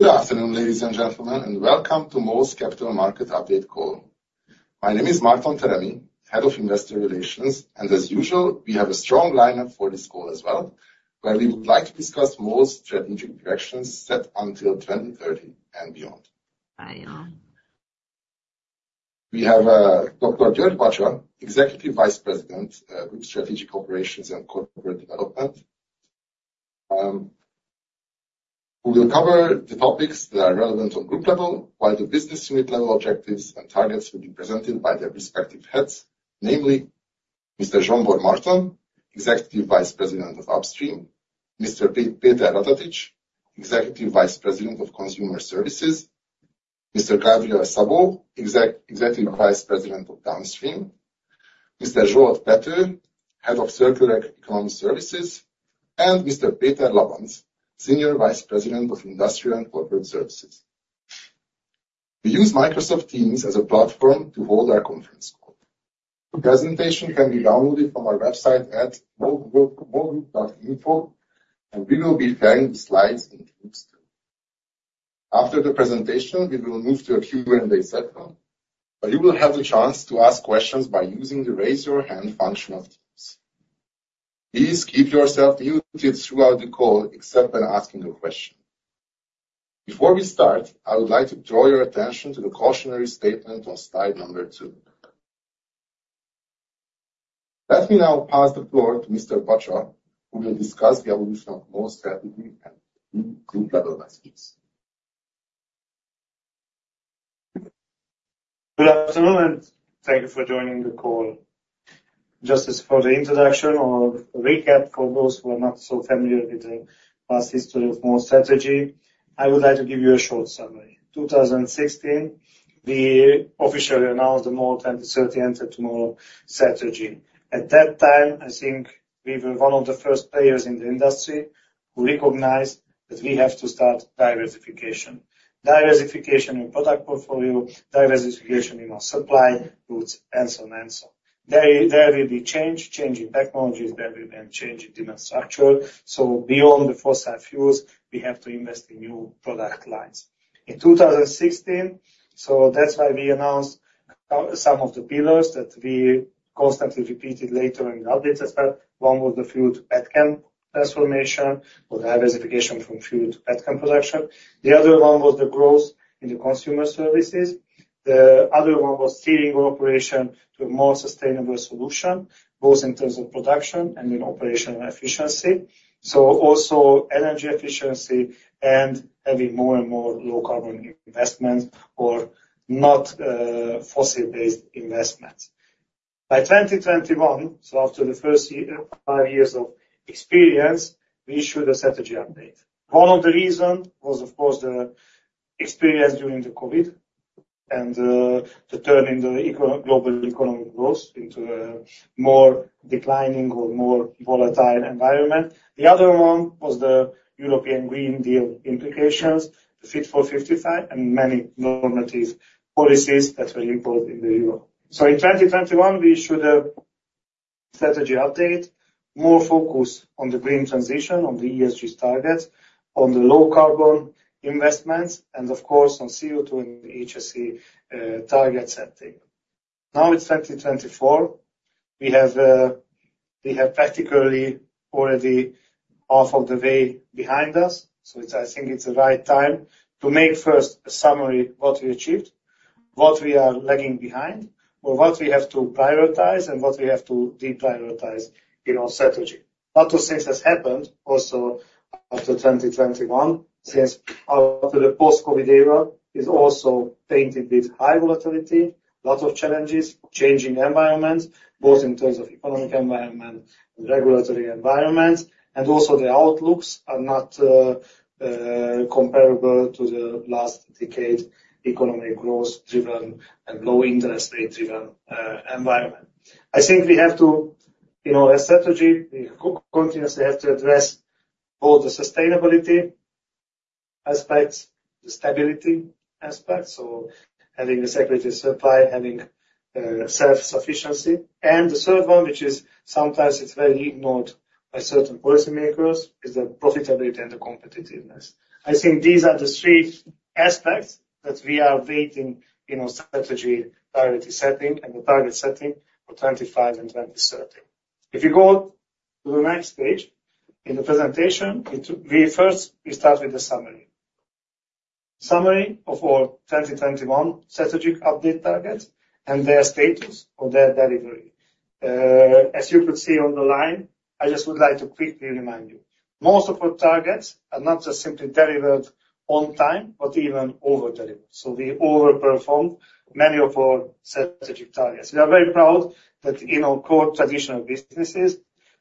Good afternoon, ladies and gentlemen, and welcome to MOL's Capital Market Update call. My name is Márton Teremi, Head of Investor Relations, and as usual, we have a strong lineup for this call as well, where we would like to discuss MOL's strategic directions set until 2030 and beyond. We have Dr. György Bacsa, Executive Vice President, Group Strategic Operations and Corporate Development, who will cover the topics that are relevant on group level, while the business unit level objectives and targets will be presented by their respective heads, namely Mr. Zsombor Marton, Executive Vice President of Upstream, Mr. Péter Ratatics, Executive Vice President of Consumer Services, Mr. Gabriel Szabó, Executive Vice President of Downstream, Mr. Zsolt Pethő, Head of Circular Economy Services, and Mr. Péter Labancz, Senior Vice President of Industrial and Corporate Services. We use Microsoft Teams as a platform to hold our conference call. The presentation can be downloaded from our website at molgroup.info, and we will be sharing the slides in Teams, too. After the presentation, we will move to a Q&A session, where you will have the chance to ask questions by using the Raise Your Hand function of Teams. Please keep yourself muted throughout the call, except when asking a question. Before we start, I would like to draw your attention to the cautionary statement on slide number 2. Let me now pass the floor to Mr. Bacsa, who will discuss the evolution of MOL's strategy and group level messages. Good afternoon, and thank you for joining the call. Just as for the introduction or recap, for those who are not so familiar with the past history of MOL's strategy, I would like to give you a short summary. In 2016, we officially announced the MOL 2030 Enter Tomorrow strategy. At that time, I think we were one of the first players in the industry who recognized that we have to start diversification. Diversification in product portfolio, diversification in our supply routes, and so on and so on. There, there will be change, change in technologies. There will be a change in demand structure. So beyond the fossil fuels, we have to invest in new product lines. In 2016, so that's why we announced some of the pillars that we constantly repeated later in the updates as well. One was the fuel petchem transformation or diversification from fuel to petchem production. The other one was the growth in the consumer services. The other one was steering operation to a more sustainable solution, both in terms of production and in operational efficiency. So also energy efficiency and having more and more low-carbon investments or not fossil-based investments. By 2021, so after the first five years of experience, we issued a strategy update. One of the reasons was, of course, the experience during the COVID and the turn in the global economic growth into a more declining or more volatile environment. The other one was the European Green Deal implications, the Fit for 55, and many normative policies that were imposed in Europe. So in 2021, we issued a strategy update, more focused on the green transition, on the ESG targets, on the low-carbon investments, and of course, on CO2 and HSE target setting. Now it's 2024. We have, we have practically already half of the way behind us, so it's- I think it's the right time to make first a summary, what we achieved, what we are lagging behind, or what we have to prioritize, and what we have to deprioritize in our strategy. A lot of things has happened also after 2021, since after the post-COVID era is also tainted with high volatility, lots of challenges, changing environments, both in terms of economic environment and regulatory environment, and also the outlooks are not, comparable to the last decade, economic growth-driven and low interest rate-driven, environment. I think we have to, in our strategy, we continuously have to address both the sustainability aspects, the stability aspects, so having a security of supply, having self-sufficiency. And the third one, which is sometimes it's very ignored by certain policy makers, is the profitability and the competitiveness. I think these are the three aspects that we are weighing in our strategy, priority setting and the target setting for 25 and 2030. If you go to the next page in the presentation, we first start with the summary. Summary of our 2021 strategic update targets and their status or their delivery. As you could see on the line, I just would like to quickly remind you, most of our targets are not just simply delivered on time, but even over-delivered. So we overperformed many of our strategic targets. We are very proud that in our core traditional businesses,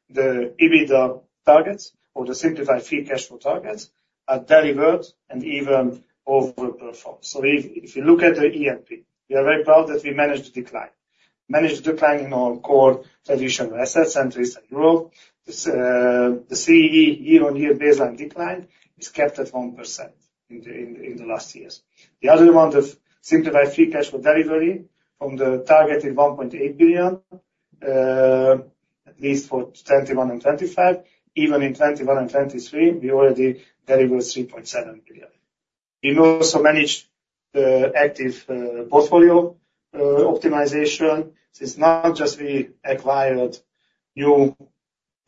the EBITDA targets or the simplified free cash flow targets are delivered and even overperformed. So if you look at the E&P, we are very proud that we managed to decline. Managed to decline in our core traditional assets, entries, and growth. The CE year-on-year baseline decline is kept at 1% in the last years. The other one, the simplified free cash flow delivery from the target in $1.8 billion at least for 2021 and 2025. Even in 2021 and 2023, we already delivered $3.7 billion. We also managed the active portfolio optimization. Since not just we acquired new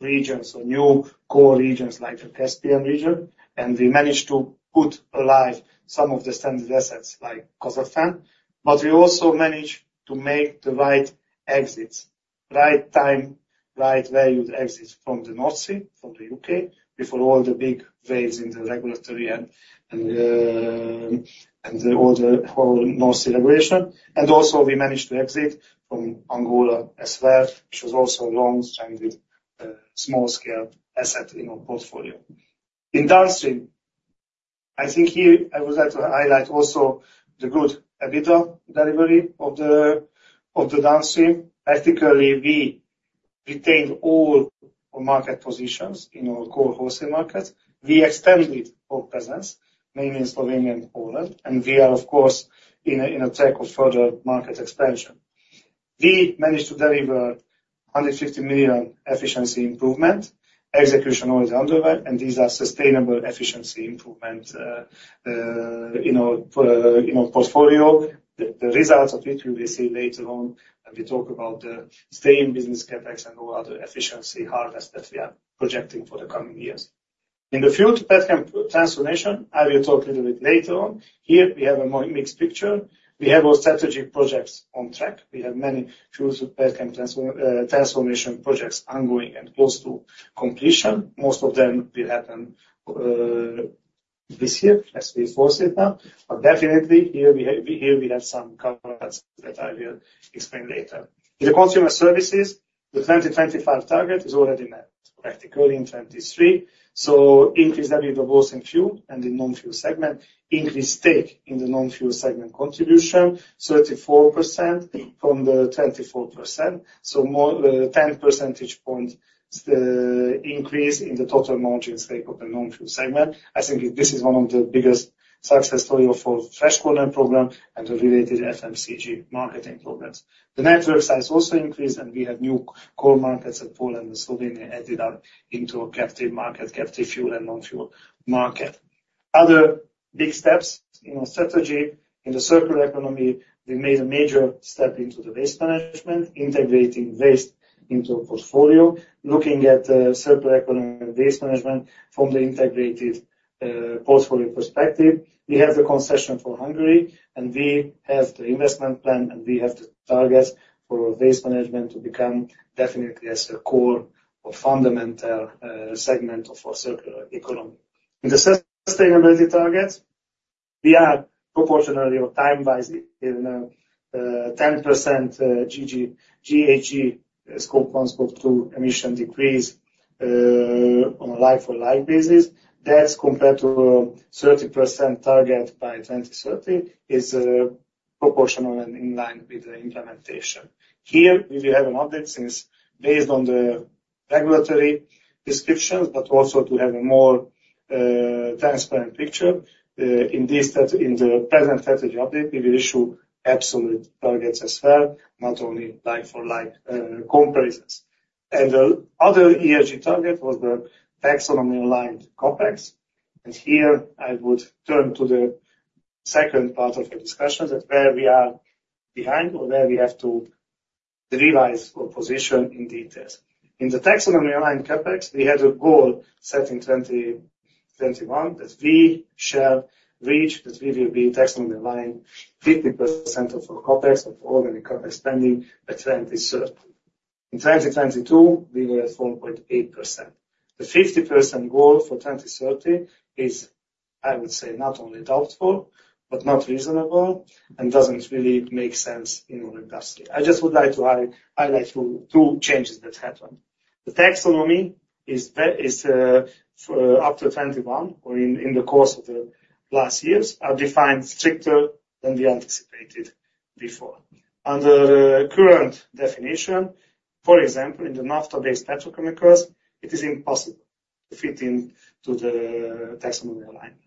regions or new core regions like the Caspian region, and we managed to put alive some of the stranded assets like Kazakhstan, but we also managed to make the right exits, right time, right valued exits from the North Sea, from the U.K., before all the big waves in the regulatory and, and all the whole North Sea regulation. And also we managed to exit from Angola as well, which was also a long-standing, small-scale asset in our portfolio. In Downstream, I think here I would like to highlight also the good EBITDA delivery of the, of the Downstream. Actually, we retained all our market positions in our core wholesale markets. We extended our presence, mainly in Slovenia and Poland, and we are, of course, in a, in a track of further market expansion. We managed to deliver $150 million efficiency improvement. Execution is underway, and these are sustainable efficiency improvement in our portfolio. The results of which we will see later on when we talk about the stay in business CapEx and all other efficiency harvest that we are projecting for the coming years. In the future transformation, I will talk a little bit later on. Here, we have a more mixed picture. We have our strategic projects on track. We have many future transformation projects ongoing and close to completion. Most of them will happen this year, as we foresee now. But definitely, here we have some components that I will explain later. In the consumer services, the 2025 target is already met, practically in 2023. So increase WW in fuel and in non-fuel segment, increase take in the non-fuel segment contribution, 34% from the 24%. So more, 10 percentage points, increase in the total margin scape of the non-fuel segment. I think this is one of the biggest success story of our Fresh Corner program and the related FMCG marketing programs. The network size also increased, and we have new core markets at Poland and Slovenia, added up into a captive market, captive fuel and non-fuel market. Other big steps in our strategy, in the circular economy, we made a major step into the waste management, integrating waste into a portfolio, looking at the circular economy and waste management from the integrated, portfolio perspective. We have the concession for Hungary, and we have the investment plan, and we have the targets for our waste management to become definitely as a core or fundamental segment of our circular economy. In the sustainability targets, we are proportionally or time-wise in 10% GHG, Scope 1, Scope 2 emission decrease on a like-for-like basis. That's compared to a 30% target by 2030, is proportional and in line with the implementation. Here, we will have an update since based on the regulatory descriptions, but also to have a more transparent picture in the present strategy update, we will issue absolute targets as well, not only like-for-like comparisons. And the other ESG target was the taxonomy-aligned CapEx. Here I would turn to the second part of the discussion, that where we are behind or where we have to revise our position in details. In the taxonomy-aligned CapEx, we had a goal set in 2021, that we shall reach, that we will be taxonomy-aligned 50% of our CapEx of organic CapEx spending by 2030. In 2022, we were at 4.8%. The 50% goal for 2030 is, I would say, not only doubtful, but not reasonable and doesn't really make sense in our industry. I just would like to highlight two changes that happened. The taxonomy is, up to 2021 or in the course of the last years, are defined stricter than we anticipated before. Under the current definition, for example, in the naphtha-based petrochemicals, it is impossible to fit into the taxonomy alignment.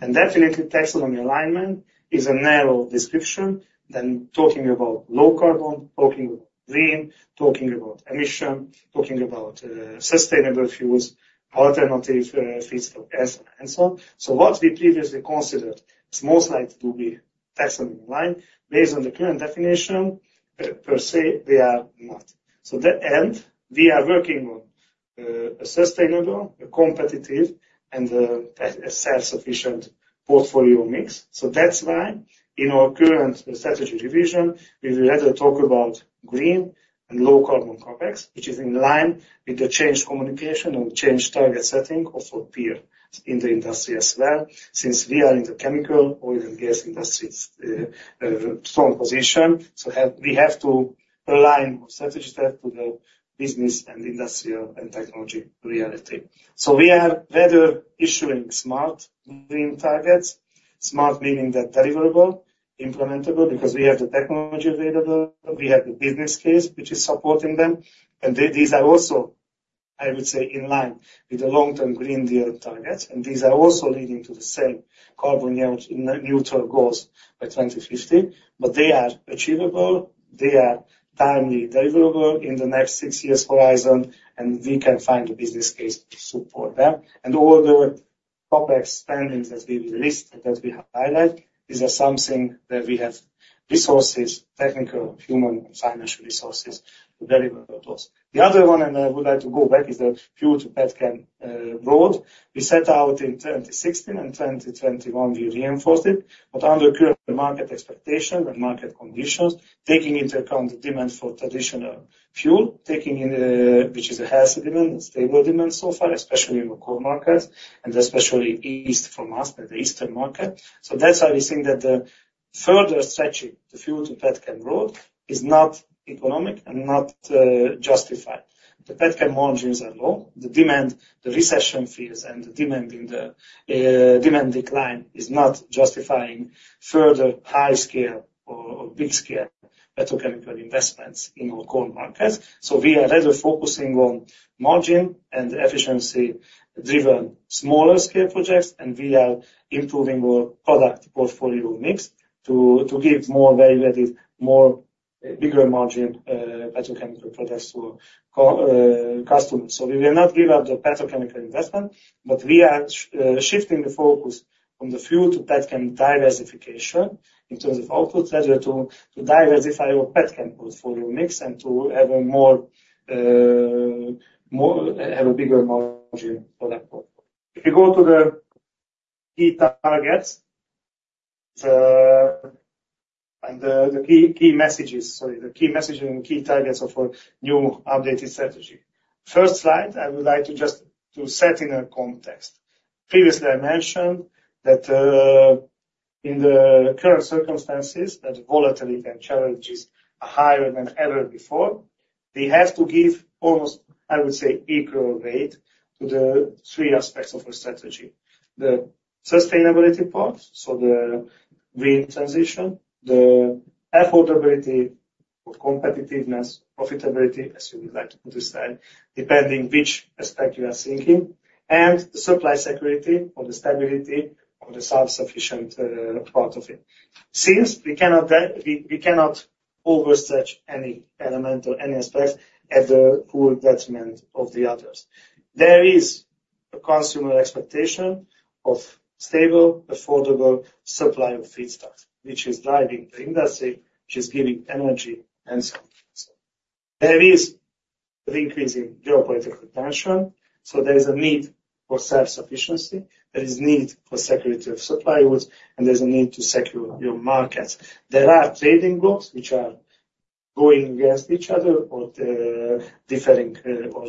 And definitely, taxonomy alignment is a narrower description than talking about low carbon, talking about green, talking about emission, talking about sustainable fuels, alternative LPGs and so on. So what we previously considered is most likely to be taxonomy in line. Based on the current definition, per se, they are not. So in the end, we are working on a sustainable, competitive, and self-sufficient portfolio mix. So that's why in our current strategy revision, we will rather talk about green and low carbon CapEx, which is in line with the change communication and change target setting of our peer in the industry as well, since we are in the chemical, oil and gas industry strong position. So we have to align our strategy step to the business and industrial and technology reality. So we are rather issuing smart green targets, smart meaning they're deliverable, implementable, because we have the technology available, we have the business case which is supporting them, and these are also... I would say, in line with the long-term Green Deal targets, and these are also leading to the same carbon neutral goals by 2050. But they are achievable, they are timely deliverable in the next six years horizon, and we can find a business case to support them. And all the CapEx spendings that we will list, that we have highlighted, is something that we have resources, technical, human, and financial resources to deliver those. The other one, and I would like to go back, is the fuel to petchem road. We set out in 2016, and 2021 we reinforced it. But under current market expectation and market conditions, taking into account the demand for traditional fuel, taking in, which is a healthy demand and stable demand so far, especially in the core markets, and especially east from us, the eastern market. So that's why we think that the further stretching the fuel to petchem road is not economic and not justified. The petchem margins are low, the demand, the recession fears and the demand in the demand decline is not justifying further high scale or big scale petrochemical investments in our core markets. So we are rather focusing on margin and efficiency-driven, smaller scale projects, and we are improving our product portfolio mix to give more value-added, more bigger margin, petrochemical products to our customers. So we will not give up the petrochemical investment, but we are shifting the focus from the fuel to petchem diversification in terms of output, rather to diversify our petchem portfolio mix and to have a more, more, have a bigger margin for that portfolio. If you go to the key targets and the key messaging and key targets of our new updated strategy. First slide, I would like to just set in a context. Previously, I mentioned that in the current circumstances, the volatility and challenges are higher than ever before, we have to give almost, I would say, equal weight to the three aspects of our strategy. The sustainability part, so the green transition, the affordability or competitiveness, profitability, as you would like to understand, depending which aspect you are thinking, and the supply security, or the stability, or the self-sufficient part of it. Since we cannot overstretch any element or any aspect at the whole detriment of the others. There is a consumer expectation of stable, affordable supply of feedstocks, which is driving the industry, which is giving energy and so on and so on. There is the increase in geopolitical tension, so there is a need for self-sufficiency, there is need for security of supply routes, and there's a need to secure your markets. There are trading blocks which are going against each other or differing or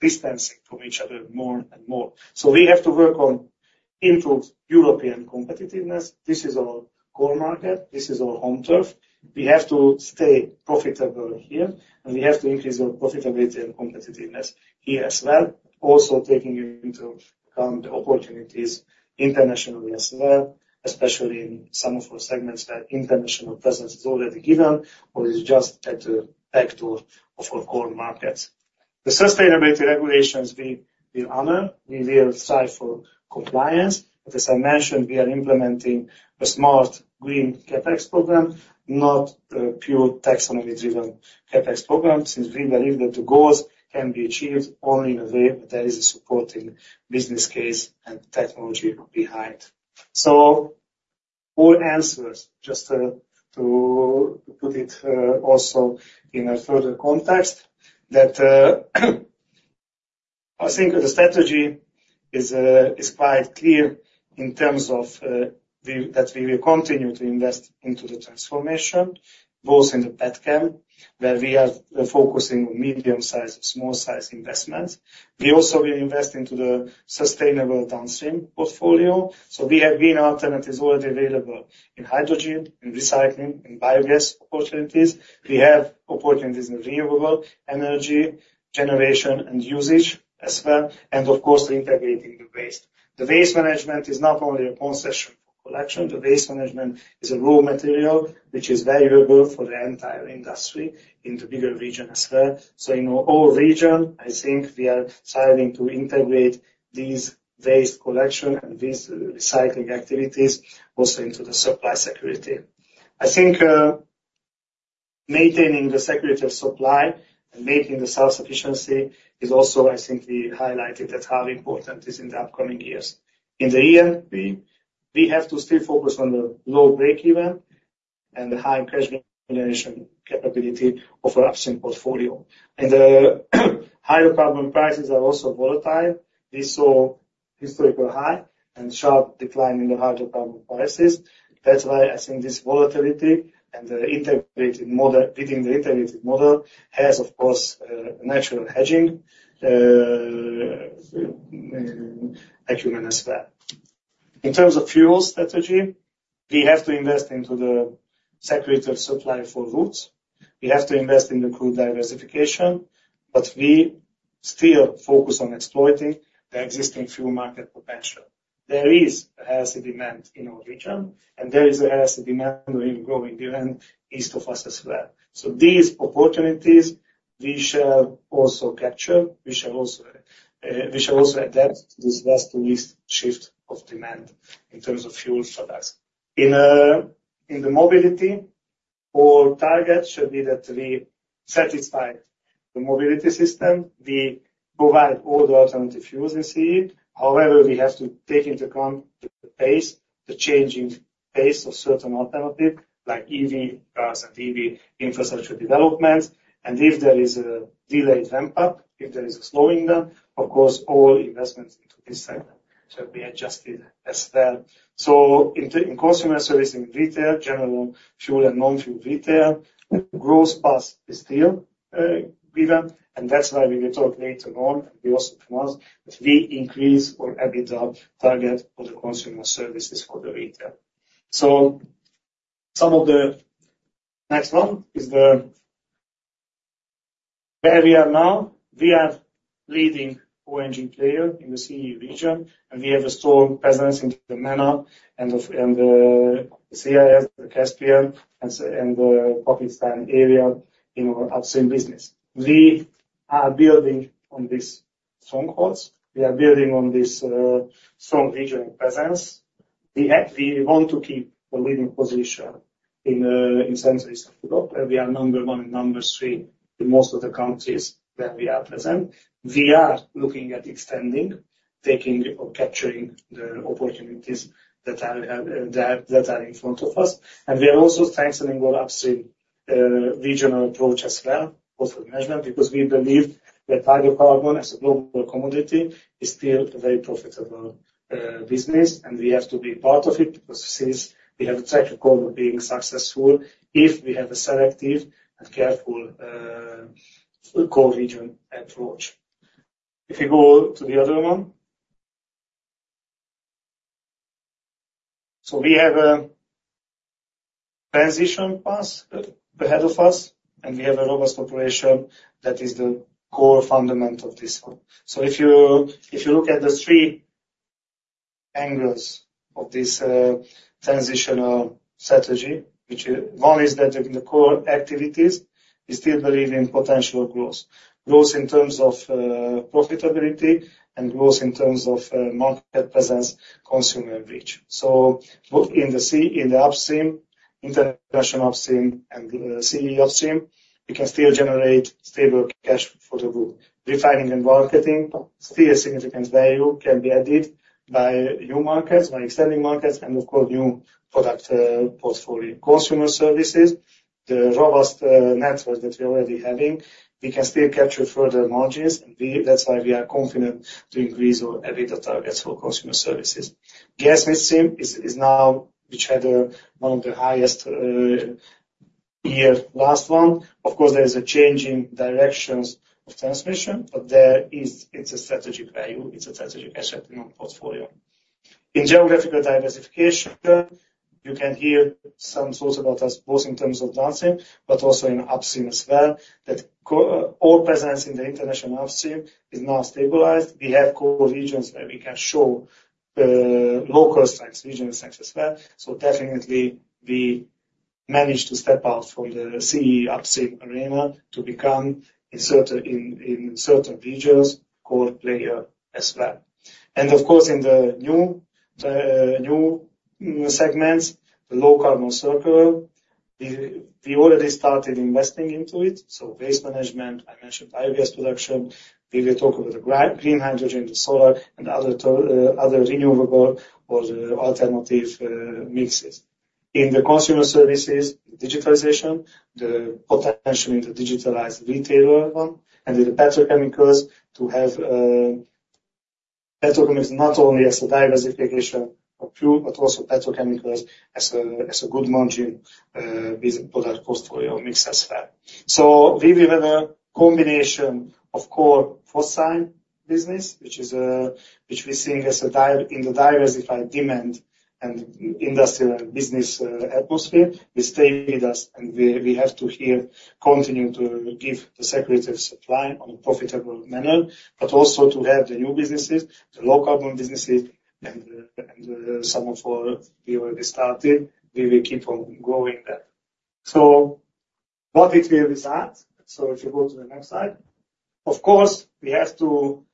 distancing from each other more and more. So we have to work on improved European competitiveness. This is our core market. This is our home turf. We have to stay profitable here, and we have to increase our profitability and competitiveness here as well. Also, taking into account the opportunities internationally as well, especially in some of our segments, where international presence is already given or is just at the backdoor of our core markets. The sustainability regulations, we will honor, we will strive for compliance, but as I mentioned, we are implementing a smart green CapEx program, not a pure taxonomy-driven CapEx program, since we believe that the goals can be achieved only in a way that is a supporting business case and technology behind. So all answers, just, to put it, also in a further context, that I think the strategy is quite clear in terms of that we will continue to invest into the transformation, both in the petchem, where we are focusing on medium-sized, small-sized investments. We also will invest into the sustainable downstream portfolio. So we have green alternatives already available in hydrogen, in recycling, in biogas opportunities. We have opportunities in renewable energy generation and usage as well, and of course, integrating the waste. The waste management is not only a concession for collection. The waste management is a raw material which is valuable for the entire industry in the bigger region as well. So in all region, I think we are striving to integrate these waste collection and these recycling activities also into the supply security. I think, maintaining the security of supply and maintaining the self-sufficiency is also, I think, we highlighted that how important is in the upcoming years. In the E&P, we have to still focus on the low breakeven and the high cash generation capability of our upstream portfolio. And the hydrocarbon prices are also volatile. We saw historical high and sharp decline in the hydrocarbon prices. That's why I think this volatility and the integrated model within the integrated model has, of course, natural hedging, acumen as well. In terms of fuel strategy, we have to invest into the security of supply for routes. We have to invest in the crude diversification, but we still focus on exploiting the existing fuel market potential. There is a healthy demand in our region, and there is a healthy demand in growing demand east of us as well. So these opportunities, we shall also capture, we shall also, we shall also adapt to this west to east shift of demand in terms of fuel products. In, in the mobility, our target should be that we satisfy the mobility system. We provide all the alternative fuels in CE. However, we have to take into account the pace, the changing pace of certain alternative, like EV cars and EV infrastructure development. And if there is a delayed ramp up, if there is a slowing down, of course, all investments into this segment should be adjusted as well. So in the, in consumer service, in retail, general fuel and non-fuel retail, growth path is still, given, and that's why we will talk later on, we also promise, that we increase our EBITDA target for the consumer services for the retail. So the next one is where we are now. We are leading MOL player in the CEE region, and we have a strong presence in the MENA and the CIS, the Caspian, and the Pakistan area in our upstream business. We are building on this strongholds, we are building on this strong regional presence. We want to keep a leading position in Central and Eastern Europe, where we are number 1 and number 3 in most of the countries where we are present. We are looking at extending, taking or capturing the opportunities that are in front of us. We are also strengthening our upstream regional approach as well, portfolio management, because we believe that hydrocarbon, as a global commodity, is still a very profitable business, and we have to be part of it, because since we have a track record of being successful, if we have a selective and careful core region approach. If you go to the other one. So we have a transition path ahead of us, and we have a robust operation that is the core fundamental of this one. So if you, if you look at the three angles of this transitional strategy, which one is that in the core activities, we still believe in potential growth. Growth in terms of profitability and growth in terms of market presence, consumer reach. So both in the upstream, international upstream and CEE upstream, we can still generate stable cash for the group. Refining and marketing, still a significant value can be added by new markets, by extending markets, and of course, new product portfolio. Consumer services, the robust network that we're already having, we can still capture further margins, and that's why we are confident to increase our EBITDA targets for consumer services. Gas midstream is now, which had one of the highest last year. Of course, there is a change in directions of transmission, but there is it's a strategic value, it's a strategic asset in our portfolio. In geographical diversification, you can hear some thoughts about us, both in terms of downstream, but also in upstream as well, that our presence in the international upstream is now stabilized. We have core regions where we can show local strengths, regional strengths as well. Definitely, we managed to step out from the CEE upstream arena to become a certain, in certain regions, core player as well. Of course, in the new segments, the low carbon circle, we already started investing into it, so waste management, I mentioned biogas production. We will talk about the green hydrogen, the solar and other renewable or alternative mixes. In the consumer services, digitalization, the potential in the digitalized retailer one, and with the petrochemicals, to have petrochemicals not only as a diversification of fuel, but also petrochemicals as a good margin business product portfolio mix as well. So we will have a combination of core fossil business, which we're seeing as a diversified demand and industrial and business atmosphere, will stay with us, and we have to here continue to give the security of supply on a profitable manner, but also to have the new businesses, the low carbon businesses, and some of all we already started, we will keep on growing that. So what it will result? So if you go to the next slide. Of course, we have to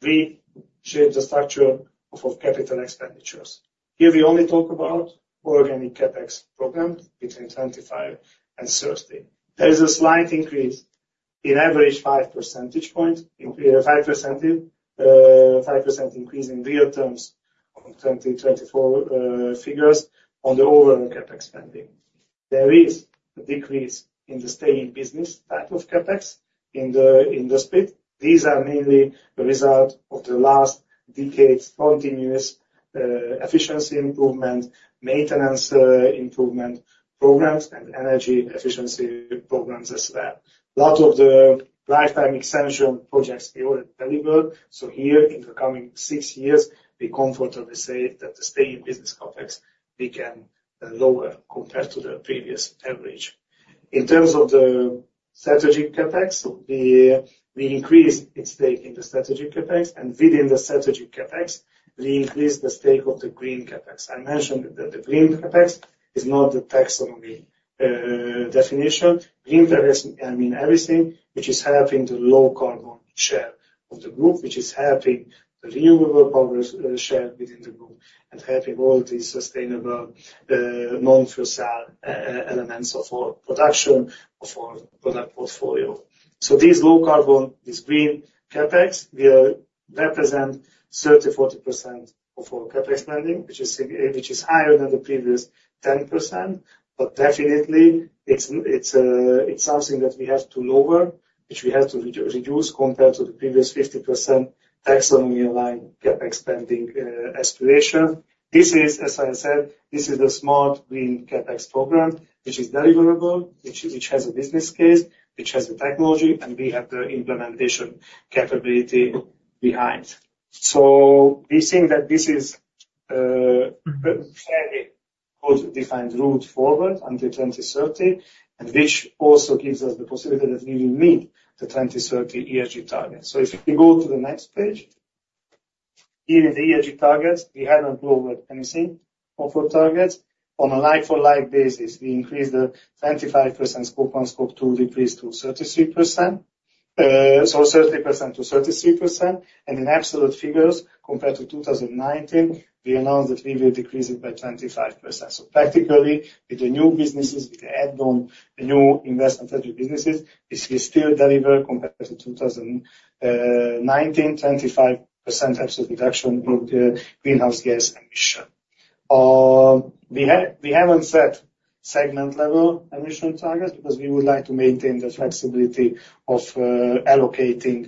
reshape the structure of capital expenditures. Here, we only talk about organic CapEx program between $25 and $30. There is a slight increase in average 5 percentage point, in 5 percentage, 5% increase in real terms from 2024 figures on the overall CapEx spending. There is a decrease in the steady business type of CapEx in the industry. These are mainly a result of the last decade's continuous efficiency improvement, maintenance improvement programs, and energy efficiency programs as well. A lot of the lifetime extension projects we already delivered, so here in the coming six years, we comfortably say that the steady business CapEx became lower compared to the previous average. In terms of strategic CapEx, we, we increase its stake in the strategic CapEx, and within the strategic CapEx, we increase the stake of the green CapEx. I mentioned that the green CapEx is not the taxonomy definition. Green CapEx can mean everything which is helping the low carbon share of the group, which is helping the renewable powers share within the group, and helping all these sustainable non-fossil elements of our production, of our product portfolio. So these low carbon, these green CapEx, will represent 30%-40% of our CapEx spending, which is which is higher than the previous 10%, but definitely, it's, it's, it's something that we have to lower, which we have to reduce compared to the previous 50% taxonomy-aligned CapEx spending aspiration. This is, as I said, this is a smart green CapEx program, which is deliverable, which, which has a business case, which has the technology, and we have the implementation capability behind. So we think that this is fairly well-defined route forward until 2030, and which also gives us the possibility that we will meet the 2030 ESG target. So if you go to the next page. Here in the ESG targets, we haven't lowered anything of our targets. On a like-for-like basis, we increased the 25% Scope 1, Scope 2, decrease to 33%. So 30% to 33%, and in absolute figures, compared to 2019, we announced that we will decrease it by 25%. So practically, with the new businesses, with the add-on, the new investment type of businesses, this will still deliver compared to 2019, 25% absolute reduction in the greenhouse gas emission. We haven't set segment-level emission targets because we would like to maintain the flexibility of allocating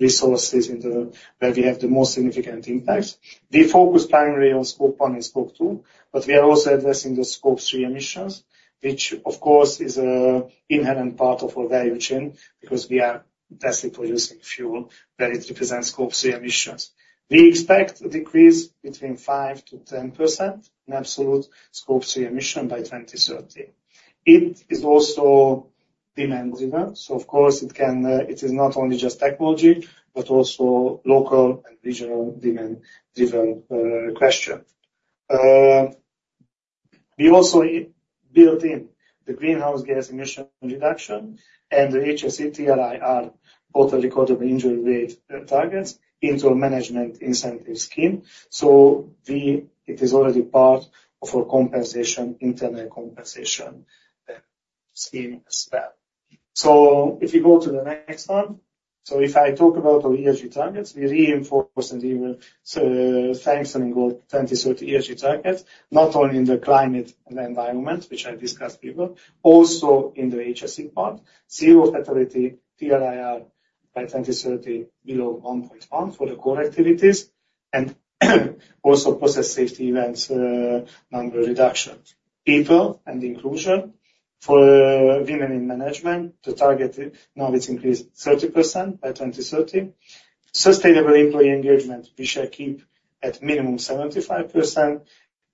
resources into where we have the most significant impacts. We focus primarily on Scope 1 and Scope 2, but we are also addressing the Scope 3 emissions, which of course is an inherent part of our value chain because we are basically producing fuel that represents Scope 3 emissions. We expect a decrease between 5%-10% in absolute Scope 3 emission by 2030. It is also demand-driven, so of course it can – it is not only just technology, but also local and regional demand-driven question. We also built in the greenhouse gas emission reduction and the HSE TRIR, both the recordable injury rate, targets into a management incentive scheme. So it is already part of our compensation, internal compensation, scheme as well. So if you go to the next one. So if I talk about our ESG targets, we reinforce and even strengthening our 2030 ESG targets, not only in the climate and environment, which I discussed before, also in the HSE part. Zero fatality, TRIR by 2030, below 1.1 for the core activities, and also process safety events number reduction. People and inclusion. For women in management, the target now is increased 30% by 2030. Sustainable employee engagement, we shall keep at minimum 75%,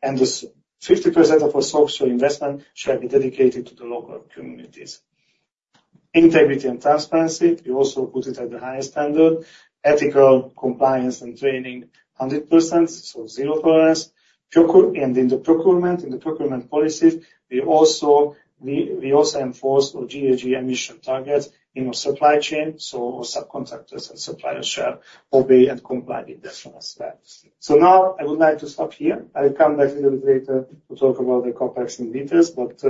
and this 50% of our social investment shall be dedicated to the local communities. Integrity and transparency, we also put it at the highest standard. Ethical compliance and training, 100%, so zero tolerance. And in the procurement policies, we also enforce our GHG emission targets in our supply chain, so our subcontractors and suppliers shall obey and comply with that from us as well. Now, I would like to stop here. I will come back a little bit later to talk about the CapEx in details, but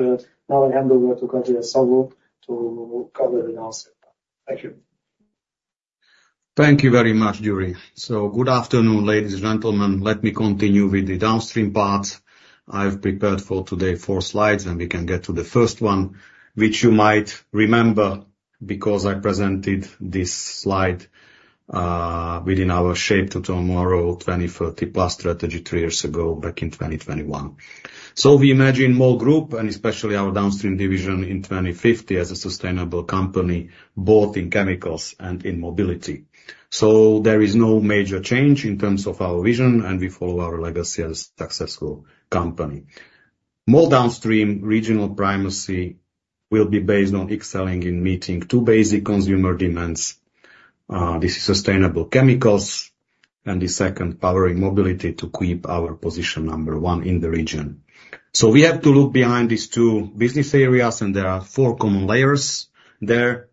now I hand over to Gabriel Szabó to cover the downstream. Thank you. Thank you very much, Gyuri. Good afternoon, ladies and gentlemen. Let me continue with the downstream part. I've prepared for today four slides, and we can get to the first one, which you might remember, because I presented this slide within our Shape Tomorrow 2030+ strategy three years ago, back in 2021. We imagine MOL Group, and especially our downstream division in 2050 as a sustainable company, both in chemicals and in mobility. There is no major change in terms of our vision, and we follow our legacy as successful company. MOL Downstream regional primacy will be based on excelling in meeting two basic consumer demands. This is sustainable chemicals, and the second, powering mobility to keep our position number one in the region. We have to look behind these two business areas, and there are four common layers there.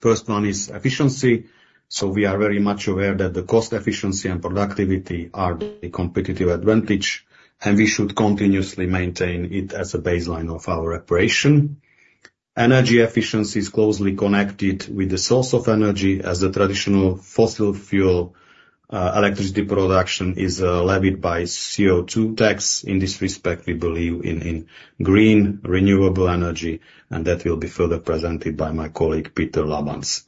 First one is efficiency. So we are very much aware that the cost efficiency and productivity are a competitive advantage, and we should continuously maintain it as a baseline of our operation. Energy efficiency is closely connected with the source of energy as the traditional fossil fuel electricity production is levied by CO2 tax. In this respect, we believe in green renewable energy, and that will be further presented by my colleague, Péter Labancz.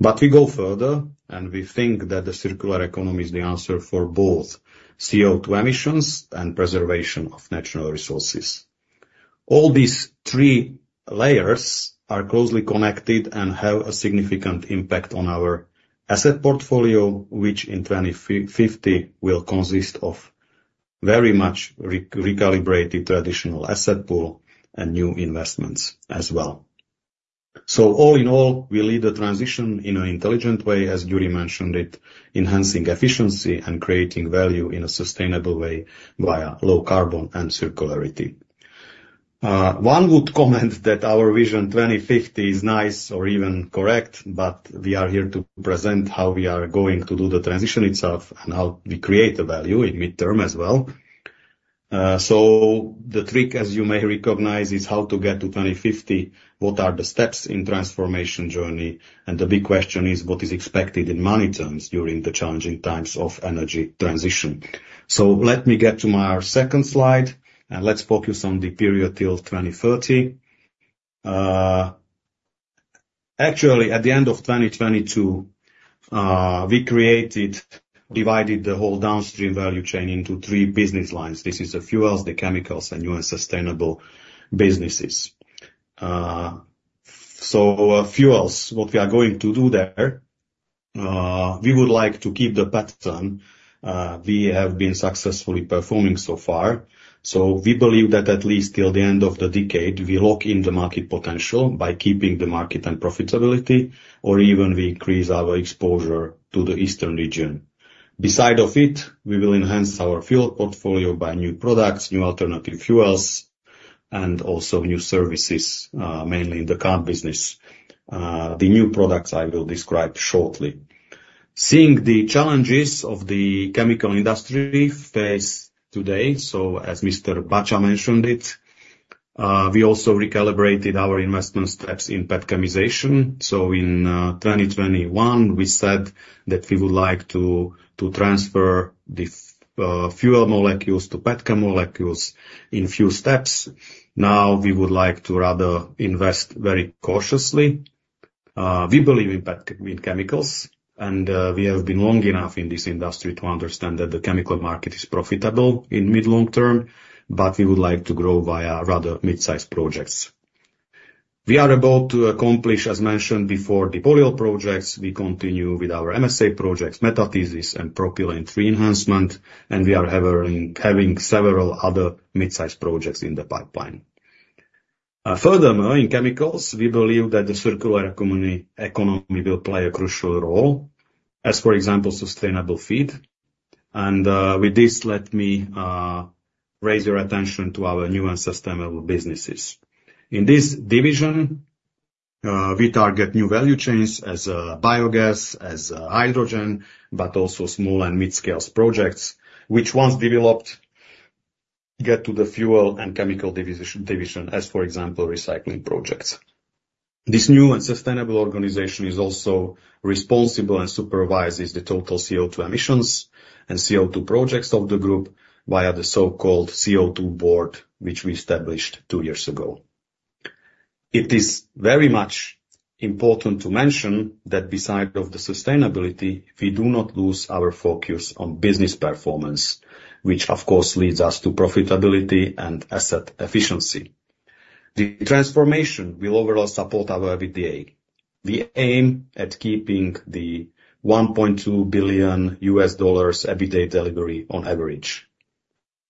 But we go further, and we think that the circular economy is the answer for both CO2 emissions and preservation of natural resources. All these three layers are closely connected and have a significant impact on our asset portfolio, which in 2050 will consist of very much recalibrated traditional asset pool and new investments as well. So all in all, we lead the transition in an intelligent way, as György mentioned it, enhancing efficiency and creating value in a sustainable way via low carbon and circularity. One would comment that our vision 2050 is nice or even correct, but we are here to present how we are going to do the transition itself and how we create the value in midterm as well. So the trick, as you may recognize, is how to get to 2050, what are the steps in transformation journey? And the big question is, what is expected in money terms during the challenging times of energy transition. So let me get to our second slide, and let's focus on the period till 2030. Actually, at the end of 2022, we divided the whole downstream value chain into three business lines. This is the fuels, the chemicals, and new and sustainable businesses. So, fuels, what we are going to do there, we would like to keep the pattern. We have been successfully performing so far, so we believe that at least till the end of the decade, we lock in the market potential by keeping the market and profitability, or even we increase our exposure to the eastern region. Beside of it, we will enhance our fuel portfolio by new products, new alternative fuels, and also new services, mainly in the car business. The new products I will describe shortly. Seeing the challenges of the chemical industry face today, so as Mr. Bacsa mentioned it, we also recalibrated our investment steps in petchemization. So in 2021, we said that we would like to transfer the fuel molecules to petchem molecules in few steps. Now, we would like to rather invest very cautiously. We believe in pet- in chemicals, and we have been long enough in this industry to understand that the chemical market is profitable in mid-long term, but we would like to grow via rather mid-sized projects. We are about to accomplish, as mentioned before, the polyol projects. We continue with our MSA projects, metathesis and propylene re-enhancement, and we are having several other mid-size projects in the pipeline. Furthermore, in chemicals, we believe that the circular economy will play a crucial role, as for example, sustainable feed. And with this, let me raise your attention to our new and sustainable businesses. In this division, we target new value chains as biogas, as hydrogen, but also small and mid-scale projects, which once developed, get to the fuel and chemical division, as for example, recycling projects. This new and sustainable organization is also responsible and supervises the total CO2 emissions and CO2 projects of the group via the so-called CO2 board, which we established two years ago. It is very much important to mention that beside of the sustainability, we do not lose our focus on business performance, which, of course, leads us to profitability and asset efficiency. The transformation will overall support our EBITDA. We aim at keeping the $1.2 billion EBITDA delivery on average.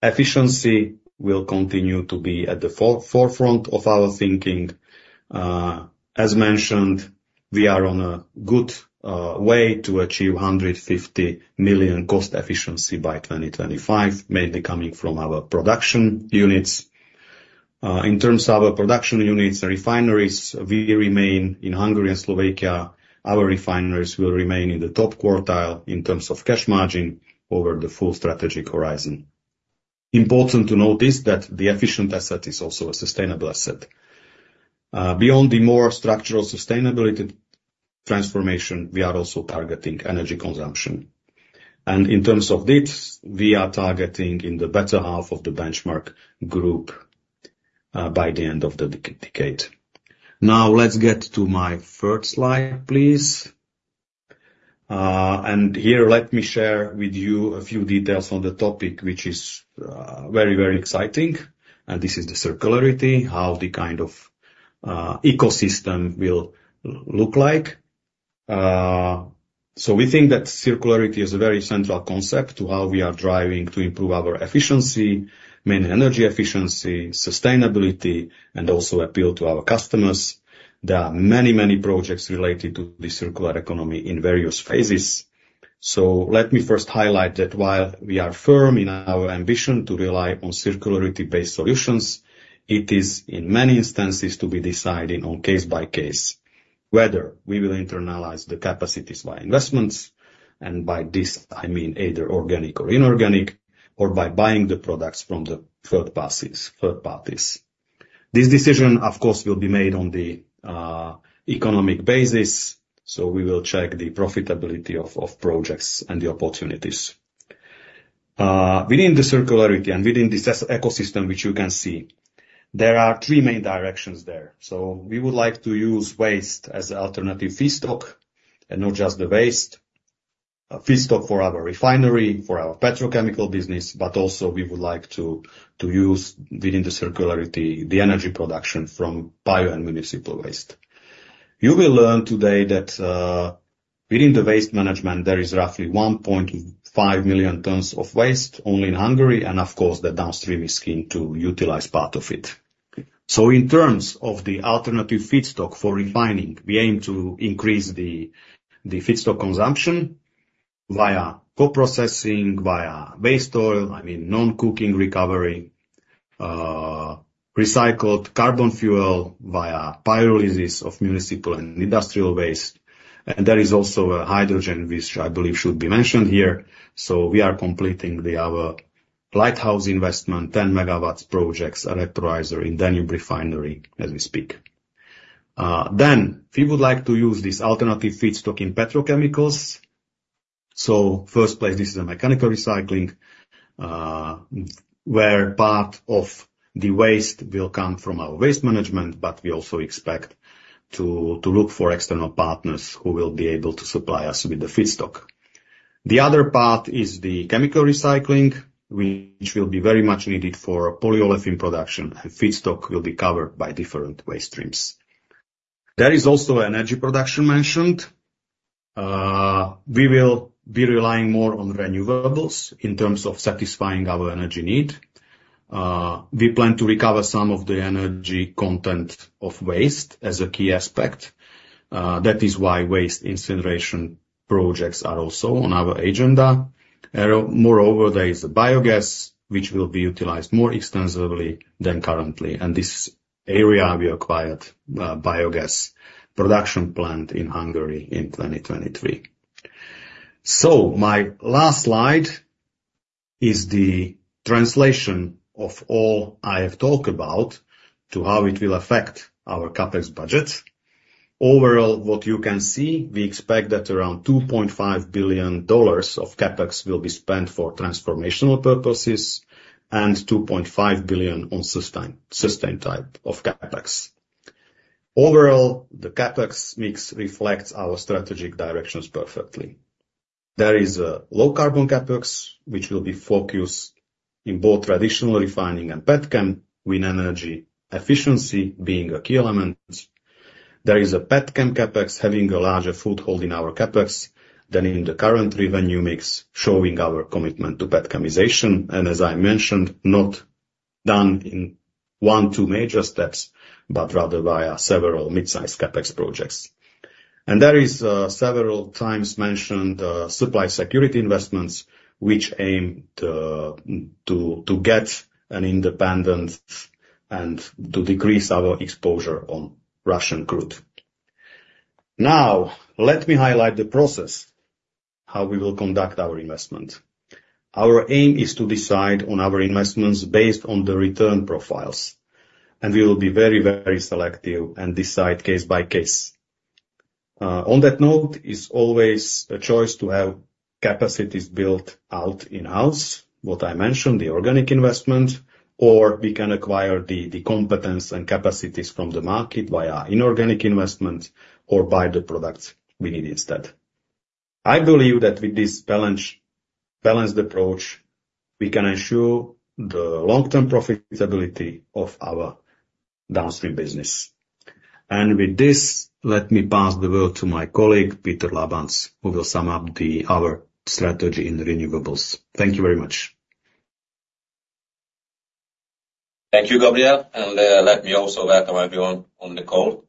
Efficiency will continue to be at the forefront of our thinking. As mentioned, we are on a good way to achieve $150 million cost efficiency by 2025, mainly coming from our production units. In terms of our production units and refineries, we remain in Hungary and Slovakia. Our refineries will remain in the top quartile in terms of cash margin over the full strategic horizon. Important to note is that the efficient asset is also a sustainable asset. Beyond the more structural sustainability transformation, we are also targeting energy consumption, and in terms of this, we are targeting in the better half of the benchmark group by the end of the decade. Now, let's get to my third slide, please. Here, let me share with you a few details on the topic, which is very, very exciting, and this is the circularity, how the kind of ecosystem will look like. We think that circularity is a very central concept to how we are driving to improve our efficiency, main energy efficiency, sustainability, and also appeal to our customers. There are many, many projects related to the circular economy in various phases. Let me first highlight that while we are firm in our ambition to rely on circularity-based solutions, it is in many instances to be deciding on case by case whether we will internalize the capacities via investments, and by this, I mean either organic or inorganic, or by buying the products from the third parties, third parties. This decision, of course, will be made on the economic basis, so we will check the profitability of projects and the opportunities. Within the circularity and within this ecosystem, which you can see, there are three main directions there. So we would like to use waste as an alternative feedstock, and not just the waste feedstock for our refinery, for our petrochemical business, but also we would like to use within the circularity, the energy production from bio and municipal waste. You will learn today that within the waste management, there is roughly 1.5 million tons of waste only in Hungary, and of course, the downstream is keen to utilize part of it. So in terms of the alternative feedstock for refining, we aim to increase the feedstock consumption via co-processing, via waste oil, I mean, non-cooking recovery, recycled carbon fuel via pyrolysis of municipal and industrial waste. And there is also a hydrogen, which I believe should be mentioned here. So we are completing our lighthouse investment, 10 megawatts projects, electrolyzer in Danube Refinery as we speak. Then we would like to use this alternative feedstock in petrochemicals. So first place, this is a mechanical recycling, where part of the waste will come from our waste management, but we also expect to look for external partners who will be able to supply us with the feedstock. The other part is the chemical recycling, which will be very much needed for olefin production, and feedstock will be covered by different waste streams. There is also energy production mentioned. We will be relying more on renewables in terms of satisfying our energy need. We plan to recover some of the energy content of waste as a key aspect. That is why waste incineration projects are also on our agenda. And moreover, there is a biogas, which will be utilized more extensively than currently, and this area we acquired, biogas production plant in Hungary in 2023. So my last slide is the translation of all I have talked about to how it will affect our CapEx budget. Overall, what you can see, we expect that around $2.5 billion of CapEx will be spent for transformational purposes and $2.5 billion on sustain, sustain type of CapEx. Overall, the CapEx mix reflects our strategic directions perfectly. There is a low carbon CapEx, which will be focused in both traditional refining and petchem, with energy efficiency being a key element. There is a petchem CapEx having a larger foothold in our CapEx than in the current revenue mix, showing our commitment to petchemization, and as I mentioned, not done in one, two major steps, but rather via several mid-size CapEx projects. There is several times mentioned supply security investments, which aim to get an independence and to decrease our exposure on Russian crude. Now, let me highlight the process, how we will conduct our investment. Our aim is to decide on our investments based on the return profiles, and we will be very, very selective and decide case by case. On that note, it's always a choice to have capacities built out in-house, what I mentioned, the organic investment, or we can acquire the, the competence and capacities from the market via inorganic investment or buy the products we need instead. I believe that with this balance, balanced approach, we can ensure the long-term profitability of our downstream business. And with this, let me pass the word to my colleague, Péter Labancz, who will sum up our strategy in renewables. Thank you very much. Thank you, Gabriel, and let me also welcome everyone on the call.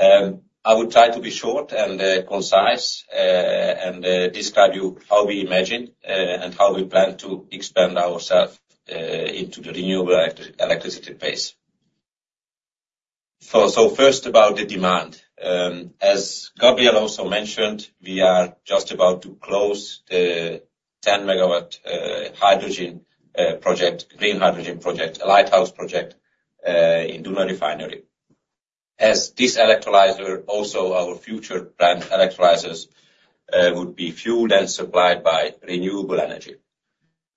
I will try to be short and concise, and describe you how we imagine and how we plan to expand ourself into the renewable electricity base. So first about the demand. As Gabriel also mentioned, we are just about to close the 10-megawatt hydrogen project, green hydrogen project, a lighthouse project in Danube Refinery. As this electrolyzer, also our future planned electrolyzers would be fueled and supplied by renewable energy,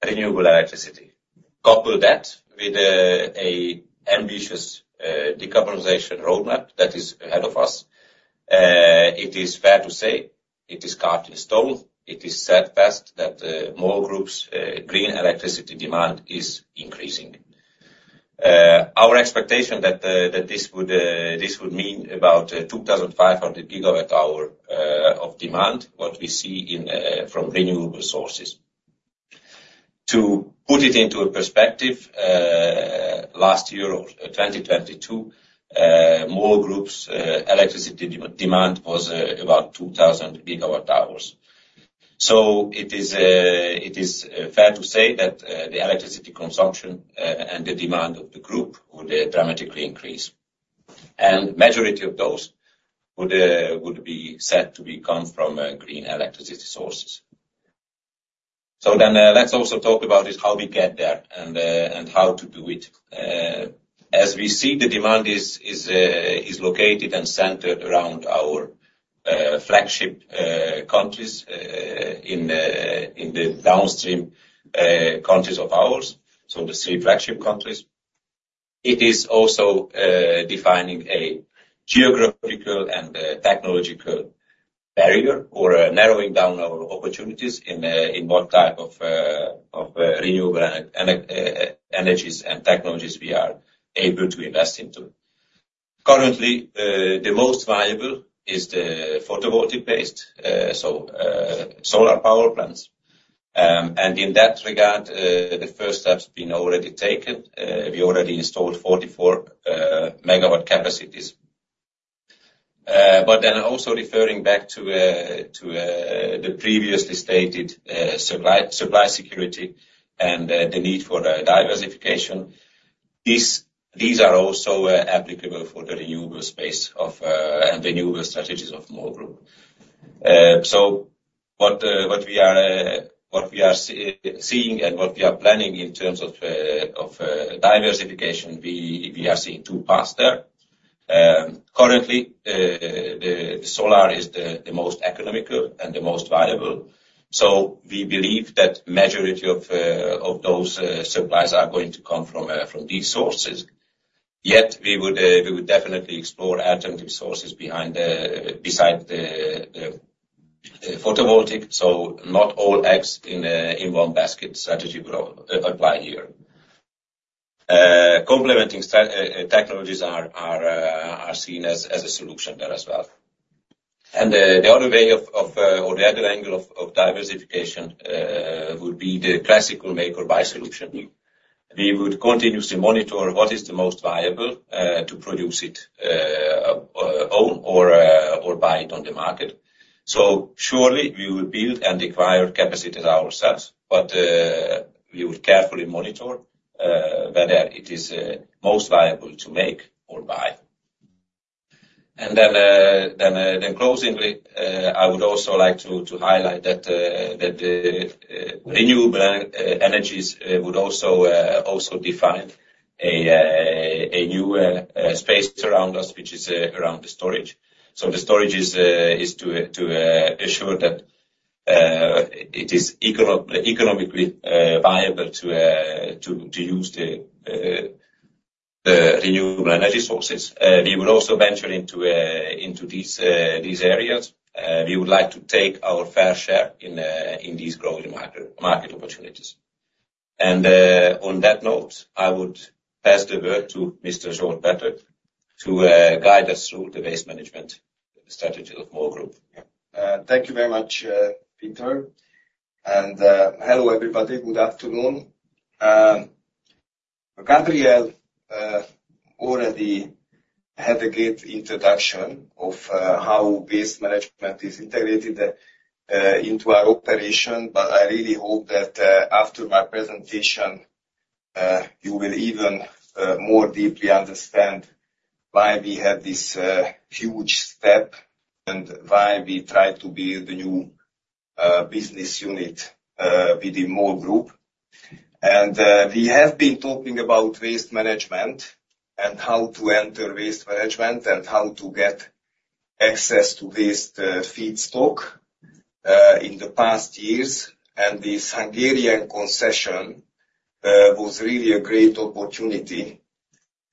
renewable electricity. Couple that with a ambitious decarbonization roadmap that is ahead of us, it is fair to say it is carved in stone. It is set fast that MOL Group's green electricity demand is increasing. Our expectation that this would mean about 2,500 gigawatt hours of demand, what we see in from renewable sources. To put it into a perspective, last year of 2022, MOL Group's electricity demand was about 2,000 gigawatt hours. So it is fair to say that the electricity consumption and the demand of the group would dramatically increase. And majority of those would be set to become from green electricity sources. So then, let's also talk about how we get there and how to do it. As we see, the demand is located and centered around our flagship countries in the downstream countries of ours, so the three flagship countries. It is also defining a geographical and technological barrier or narrowing down our opportunities in what type of renewable energies and technologies we are able to invest into. Currently, the most valuable is the photovoltaic-based solar power plants. And in that regard, the first step's been already taken. We already installed 44 MW capacities. But then also referring back to the previously stated supply security and the need for diversification, these are also applicable for the renewable space of and renewable strategies of MOL Group. So what we are seeing and what we are planning in terms of diversification, we are seeing two paths there. Currently, the solar is the most economical and the most viable. So we believe that majority of those supplies are going to come from these sources. Yet we would definitely explore alternative sources beside the photovoltaic, so not all eggs in one basket strategy will apply here. Complementing technologies are seen as a solution there as well. And the other way of or the other angle of diversification would be the classical make or buy solution. We would continuously monitor what is the most viable to produce it, own or buy it on the market. So surely, we will build and acquire capacities ourselves, but we would carefully monitor whether it is most viable to make or buy. And then closingly, I would also like to highlight that renewable energies would also define a new space around us, which is around the storage. So the storage is to ensure that it is economically viable to use the renewable energy sources. We will also venture into these areas. We would like to take our fair share in these growing market opportunities. On that note, I would pass the word to Mr. Zsolt Pethő to guide us through the waste management strategy of MOL Group. Yeah. Thank you very much, Peter. And hello, everybody. Good afternoon. Gabriel already had a great introduction of how waste management is integrated into our operation, but I really hope that after my presentation you will even more deeply understand why we have this huge step and why we try to build a new business unit within MOL Group. And we have been talking about waste management and how to enter waste management and how to get access to waste feedstock in the past years. And the Hungarian concession was really a great opportunity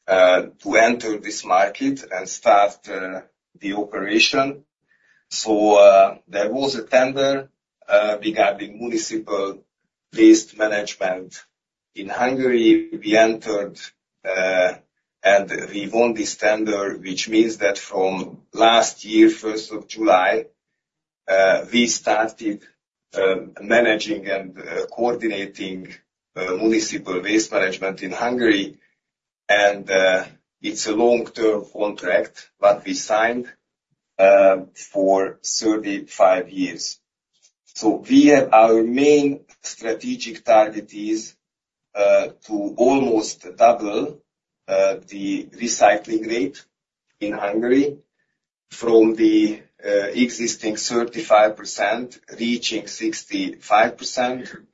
to enter this market and start the operation. So there was a tender regarding municipal waste management in Hungary. We entered and we won this tender, which means that from last year, first of July, we started managing and coordinating municipal waste management in Hungary. It's a long-term contract that we signed for 35 years. We have our main strategic target is to almost double the recycling rate in Hungary from the existing 35%, reaching 65%.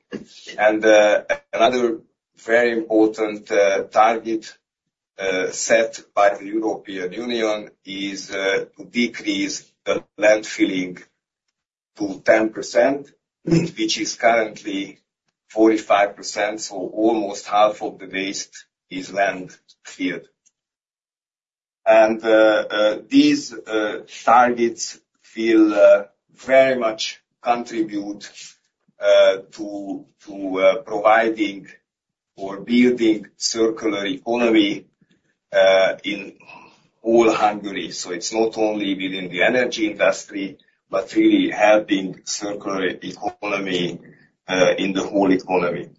Another very important target set by the European Union is to decrease the landfilling to 10%, which is currently 45%, so almost half of the waste is landfilled. These targets will very much contribute to providing or building circular economy in all Hungary. It's not only within the energy industry, but really helping circular economy in the whole economy.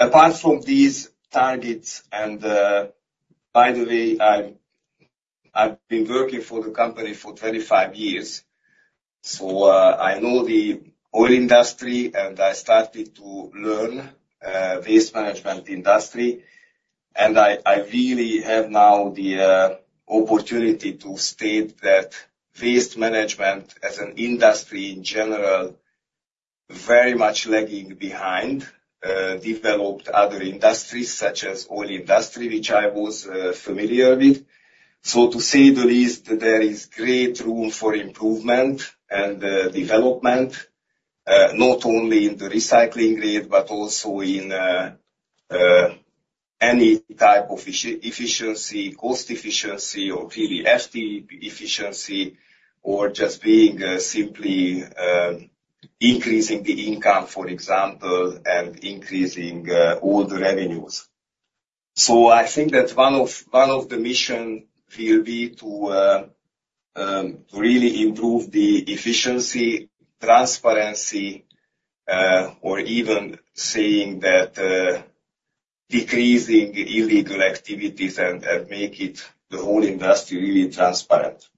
Apart from these targets, and by the way, I've been working for the company for 25 years, so I know the oil industry, and I started to learn waste management industry. And I really have now the opportunity to state that waste management as an industry in general very much lagging behind developed other industries, such as oil industry, which I was familiar with. So to say the least, there is great room for improvement and development not only in the recycling rate, but also in any type of efficiency, cost efficiency, or really efficiency, or just being simply increasing the income, for example, and increasing all the revenues. So I think that one of the mission will be to really improve the efficiency, transparency, or even saying that, decreasing illegal activities and make it the whole industry really transparent.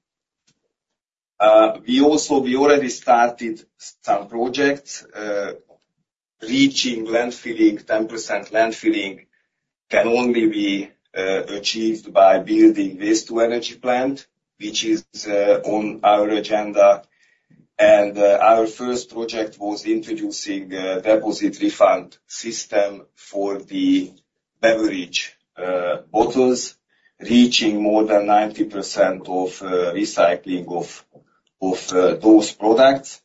We also already started some projects, reaching landfilling. 10% landfilling can only be achieved by building waste to energy plant, which is on our agenda. And our first project was introducing a deposit refund system for the beverage bottles, reaching more than 90% of recycling of those products.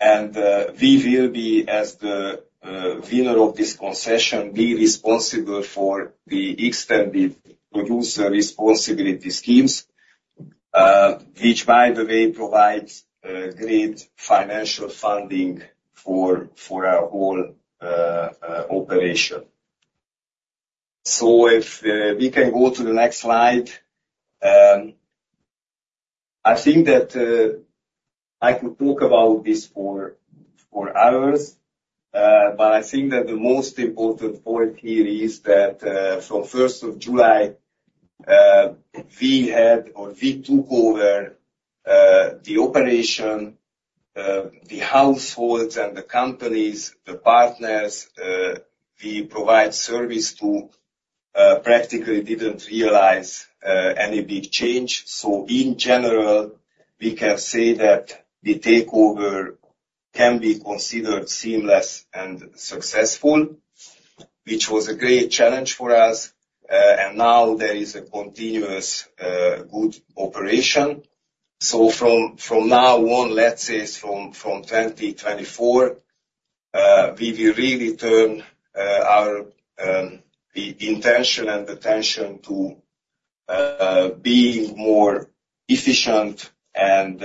And we will be, as the winner of this concession, be responsible for the extended producer responsibility schemes, which, by the way, provides great financial funding for our whole operation. So if we can go to the next slide. I think that I could talk about this for hours, but I think that the most important point here is that from first of July we had or we took over the operation the households and the companies, the partners we provide service to practically didn't realize any big change. So in general, we can say that the takeover can be considered seamless and successful, which was a great challenge for us and now there is a continuous good operation. So from now on, let's say, from 2024 we will really turn our the intention and attention to being more efficient and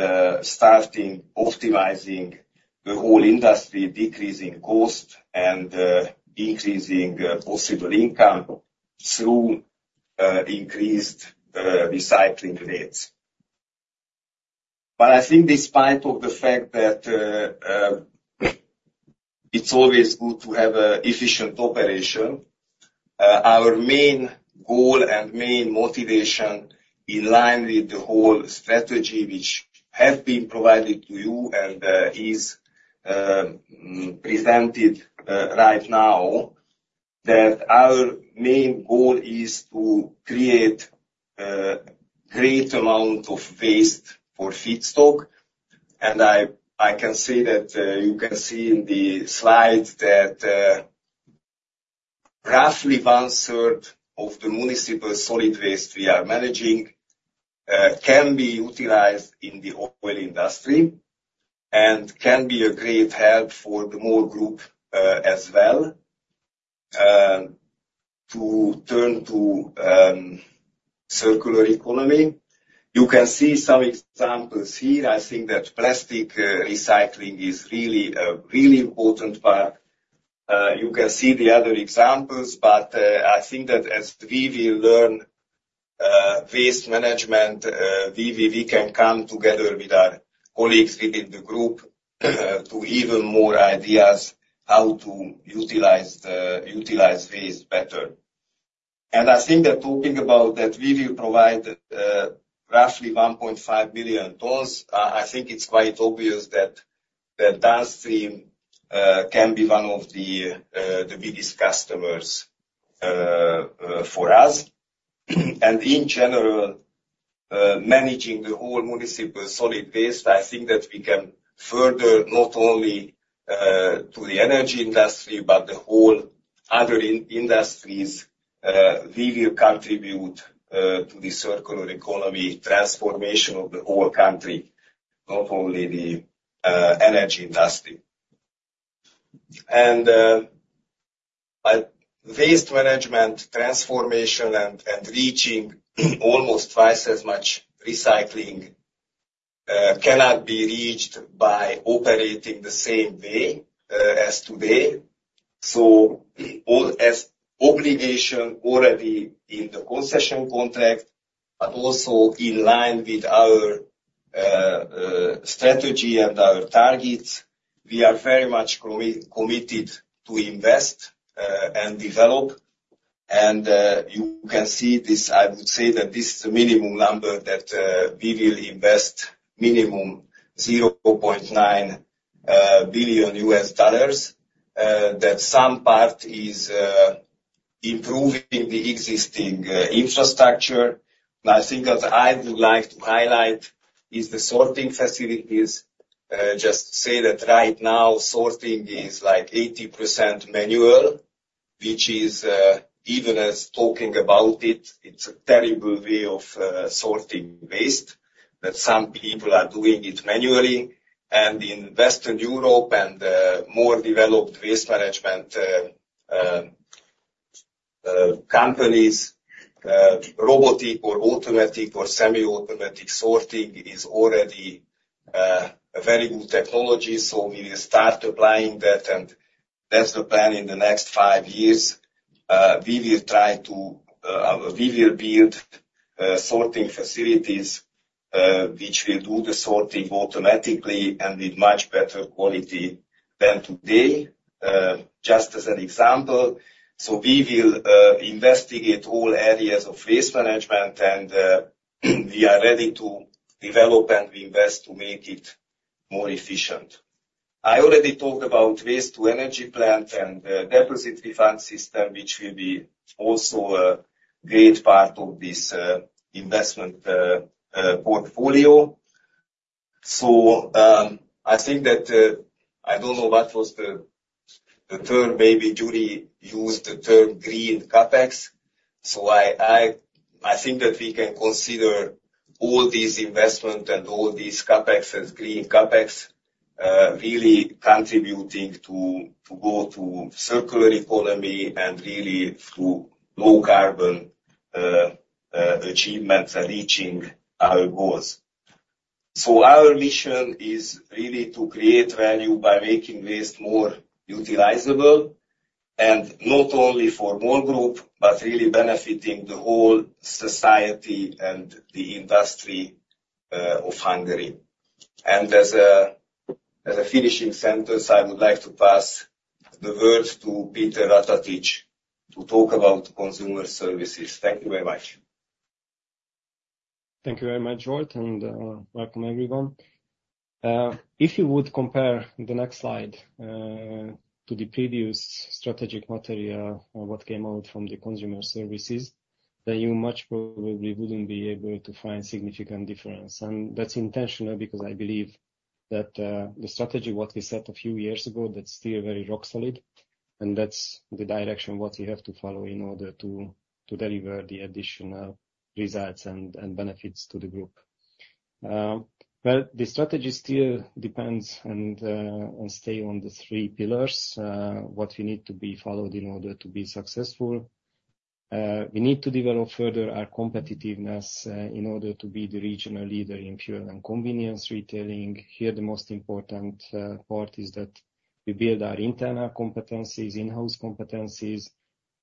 starting optimizing the whole industry, decreasing cost, and increasing possible income through increased recycling rates. But I think despite of the fact that, it's always good to have a efficient operation, our main goal and main motivation in line with the whole strategy, which has been provided to you and, is presented, right now, that our main goal is to create, great amount of waste for feedstock. And I can say that, you can see in the slide that, roughly one third of the municipal solid waste we are managing, can be utilized in the oil industry, and can be a great help for the whole group, as well, to turn to, circular economy. You can see some examples here. I think that plastic, recycling is really, a really important part. You can see the other examples, but I think that as we will learn, waste management, we, we can come together with our colleagues within the group, to even more ideas how to utilize utilize waste better. And I think that talking about that, we will provide roughly 1.5 billion tons. I think it's quite obvious that that waste stream can be one of the the biggest customers for us. And in general, managing the whole municipal solid waste, I think that we can further, not only to the energy industry, but the whole other industries, we will contribute to the circular economy transformation of the whole country, not only the energy industry. And, but waste management transformation and reaching almost twice as much recycling cannot be reached by operating the same way as today. So all as obligation already in the concession contract, but also in line with our strategy and our targets, we are very much committed to invest and develop. And you can see this, I would say that this is a minimum number that we will invest minimum $0.9 billion, that some part is improving the existing infrastructure. But I think that I would like to highlight is the sorting facilities. Just say that right now, sorting is like 80% manual, which is even as talking about it, it's a terrible way of sorting waste, that some people are doing it manually. And in Western Europe and more developed waste management companies, robotic or automatic or semi-automatic sorting is already a very good technology, so we will start applying that, and that's the plan in the next five years. We will build sorting facilities which will do the sorting automatically and with much better quality than today, just as an example. So we will investigate all areas of waste management, and we are ready to develop and invest to make it more efficient. I already talked about Waste-to-Energy plant and Deposit Refund System, which will also be a great part of this investment portfolio. So, I think that I don't know what was the term, maybe Judy used the term green CapEx. I think that we can consider all these investment and all these CapEx as green CapEx, really contributing to go to circular economy and really to low carbon achievement and reaching our goals. So our mission is really to create value by making waste more utilizable, and not only for MOL Group, but really benefiting the whole society and the industry of Hungary. As a finishing sentence, I would like to pass the word to Péter Ratatics to talk about consumer services. Thank you very much. Thank you very much, Zsolt, and welcome, everyone. If you would compare the next slide to the previous strategic material, or what came out from the consumer services, then you much probably wouldn't be able to find significant difference. That's intentional, because I believe that the strategy, what we set a few years ago, that's still very rock solid, and that's the direction what we have to follow in order to deliver the additional results and benefits to the group. Well, the strategy still depends and on stay on the three pillars, what we need to be followed in order to be successful. We need to develop further our competitiveness in order to be the regional leader in fuel and convenience retailing. Here, the most important part is that we build our internal competencies, in-house competencies,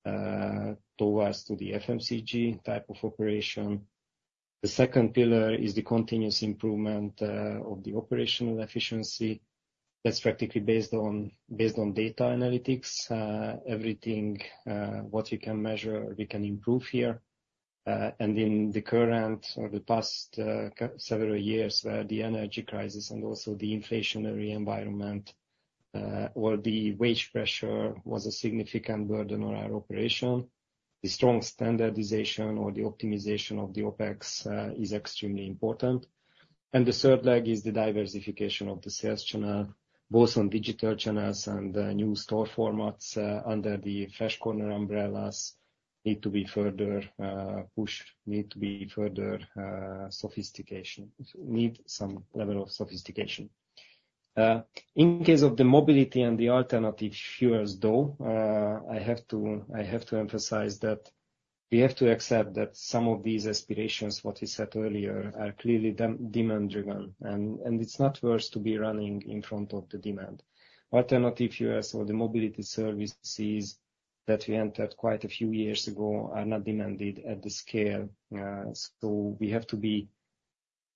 towards to the FMCG type of operation. The second pillar is the continuous improvement of the operational efficiency. That's practically based on, based on data analytics. Everything what we can measure, we can improve here. And in the current, or the past, several years, the energy crisis and also the inflationary environment, or the wage pressure, was a significant burden on our operation. The strong standardization or the optimization of the OpEx is extremely important. And the third leg is the diversification of the sales channel, both on digital channels and, new store formats, under the Fresh Corner umbrellas, need to be further pushed, need to be further sophistication, need some level of sophistication. In case of the mobility and the alternative fuels though, I have to emphasize that we have to accept that some of these aspirations, what we said earlier, are clearly demand driven, and it's not worth to be running in front of the demand. Alternative fuels or the mobility services that we entered quite a few years ago are not demanded at the scale, so we have to be,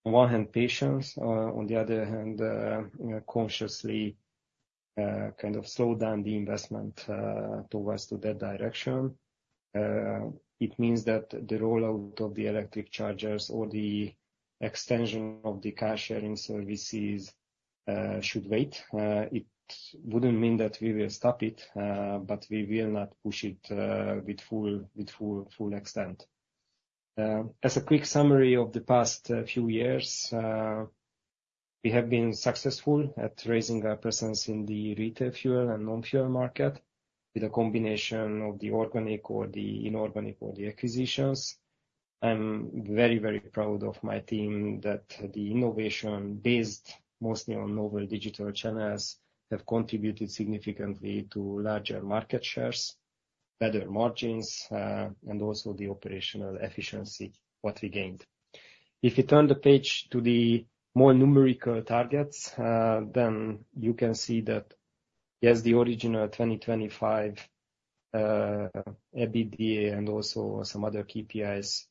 on one hand, patient, on the other hand, you know, consciously kind of slow down the investment towards to that direction. It means that the rollout of the electric chargers or the extension of the car-sharing services should wait. It wouldn't mean that we will stop it, but we will not push it with full extent. As a quick summary of the past few years, we have been successful at raising our presence in the retail fuel and non-fuel market with a combination of the organic or the inorganic or the acquisitions. I'm very, very proud of my team, that the innovation, based mostly on novel digital channels, have contributed significantly to larger market shares, better margins, and also the operational efficiency, what we gained. If you turn the page to the more numerical targets, then you can see that, yes, the original 2025 EBITDA and also some other KPIs,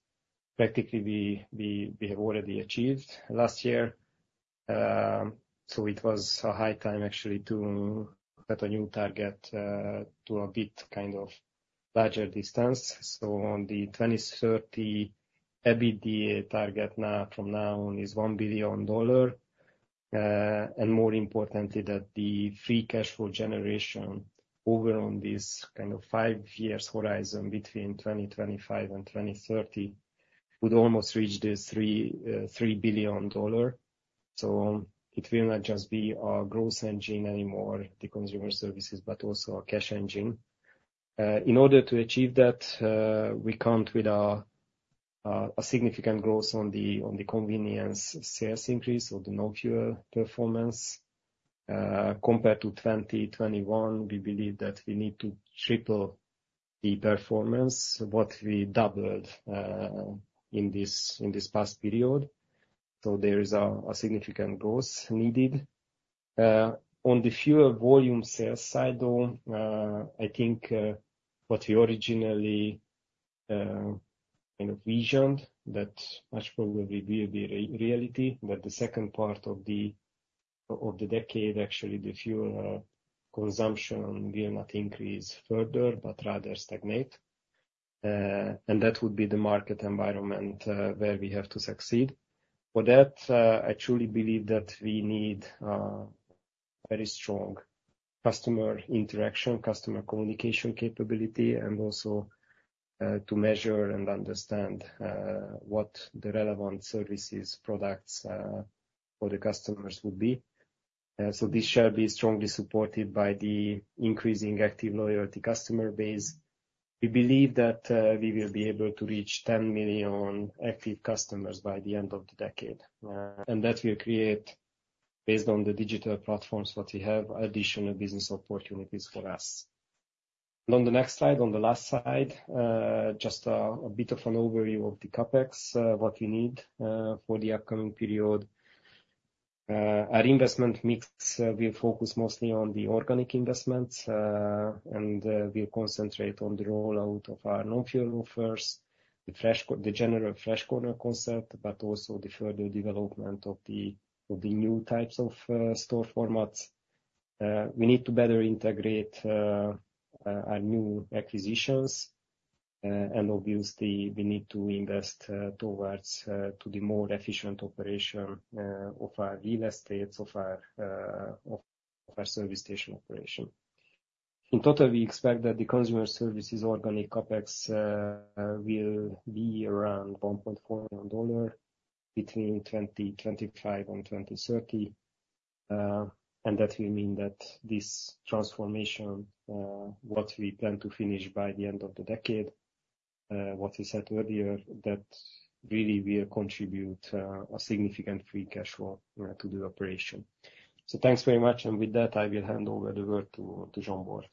practically we have already achieved last year. So it was a high time actually to set a new target, to a bit kind of larger distance. So on the 2030 EBITDA target now, from now on, is $1 billion. And more importantly, that the free cash flow generation over on this kind of 5-year horizon between 2025 and 2030 would almost reach the $3 billion. So it will not just be our growth engine anymore, the consumer services, but also our cash engine. In order to achieve that, we count with a significant growth on the convenience sales increase or the no-fuel performance, compared to 2021, we believe that we need to triple the performance, what we doubled, in this past period. So there is a significant growth needed. On the fuel volume sales side, though, I think what we originally, you know, envisioned, that much probably will be a reality, that the second part of the decade, actually, the fuel consumption will not increase further but rather stagnate. And that would be the market environment where we have to succeed. For that, I truly believe that we need very strong customer interaction, customer communication capability, and also to measure and understand what the relevant services, products for the customers would be. So this shall be strongly supported by the increasing active loyalty customer base. We believe that we will be able to reach 10 million active customers by the end of the decade. And that will create, based on the digital platforms that we have, additional business opportunities for us. On the next slide, on the last slide, just a bit of an overview of the CapEx, what we need for the upcoming period. Our investment mix will focus mostly on the organic investments, and we'll concentrate on the rollout of our non-fuel offers, the Fresh Corner concept, but also the further development of the new types of store formats. We need to better integrate our new acquisitions, and obviously, we need to invest towards the more efficient operation of our real estates, of our service station operation. In total, we expect that the consumer services organic CapEx will be around $1.4 million between 2025 and 2030. And that will mean that this transformation, what we plan to finish by the end of the decade, what we said earlier, that really will contribute a significant free cash flow to the operation. So thanks very much, and with that, I will hand over the word to Zsombor.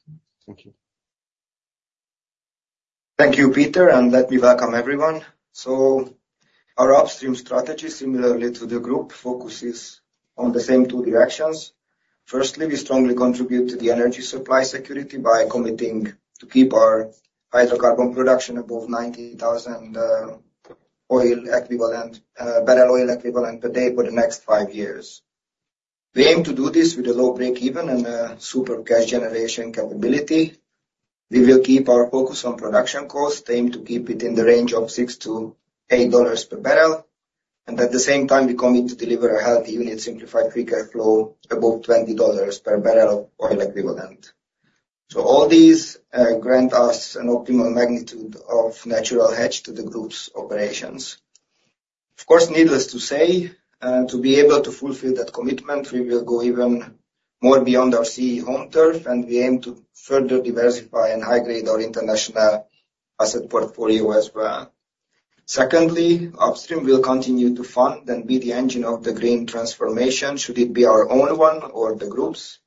Thank you. Thank you, Péter, and let me welcome everyone. So our upstream strategy, similarly to the group, focuses on the same two directions. Firstly, we strongly contribute to the energy supply security by committing to keep our hydrocarbon production above 90,000 oil equivalent barrel oil equivalent per day for the next 5 years. We aim to do this with a low breakeven and a super cash generation capability. We will keep our focus on production cost, aim to keep it in the range of $6-$8 per barrel, and at the same time, we commit to deliver a healthy unit simplified free cash flow above $20 per barrel oil equivalent. So all these grant us an optimal magnitude of natural hedge to the group's operations. Of course, needless to say, to be able to fulfill that commitment, we will go even more beyond our CEE home turf, and we aim to further diversify and high-grade our international asset portfolio as well. Secondly, upstream will continue to fund and be the engine of the green transformation, should it be our own one or the groups.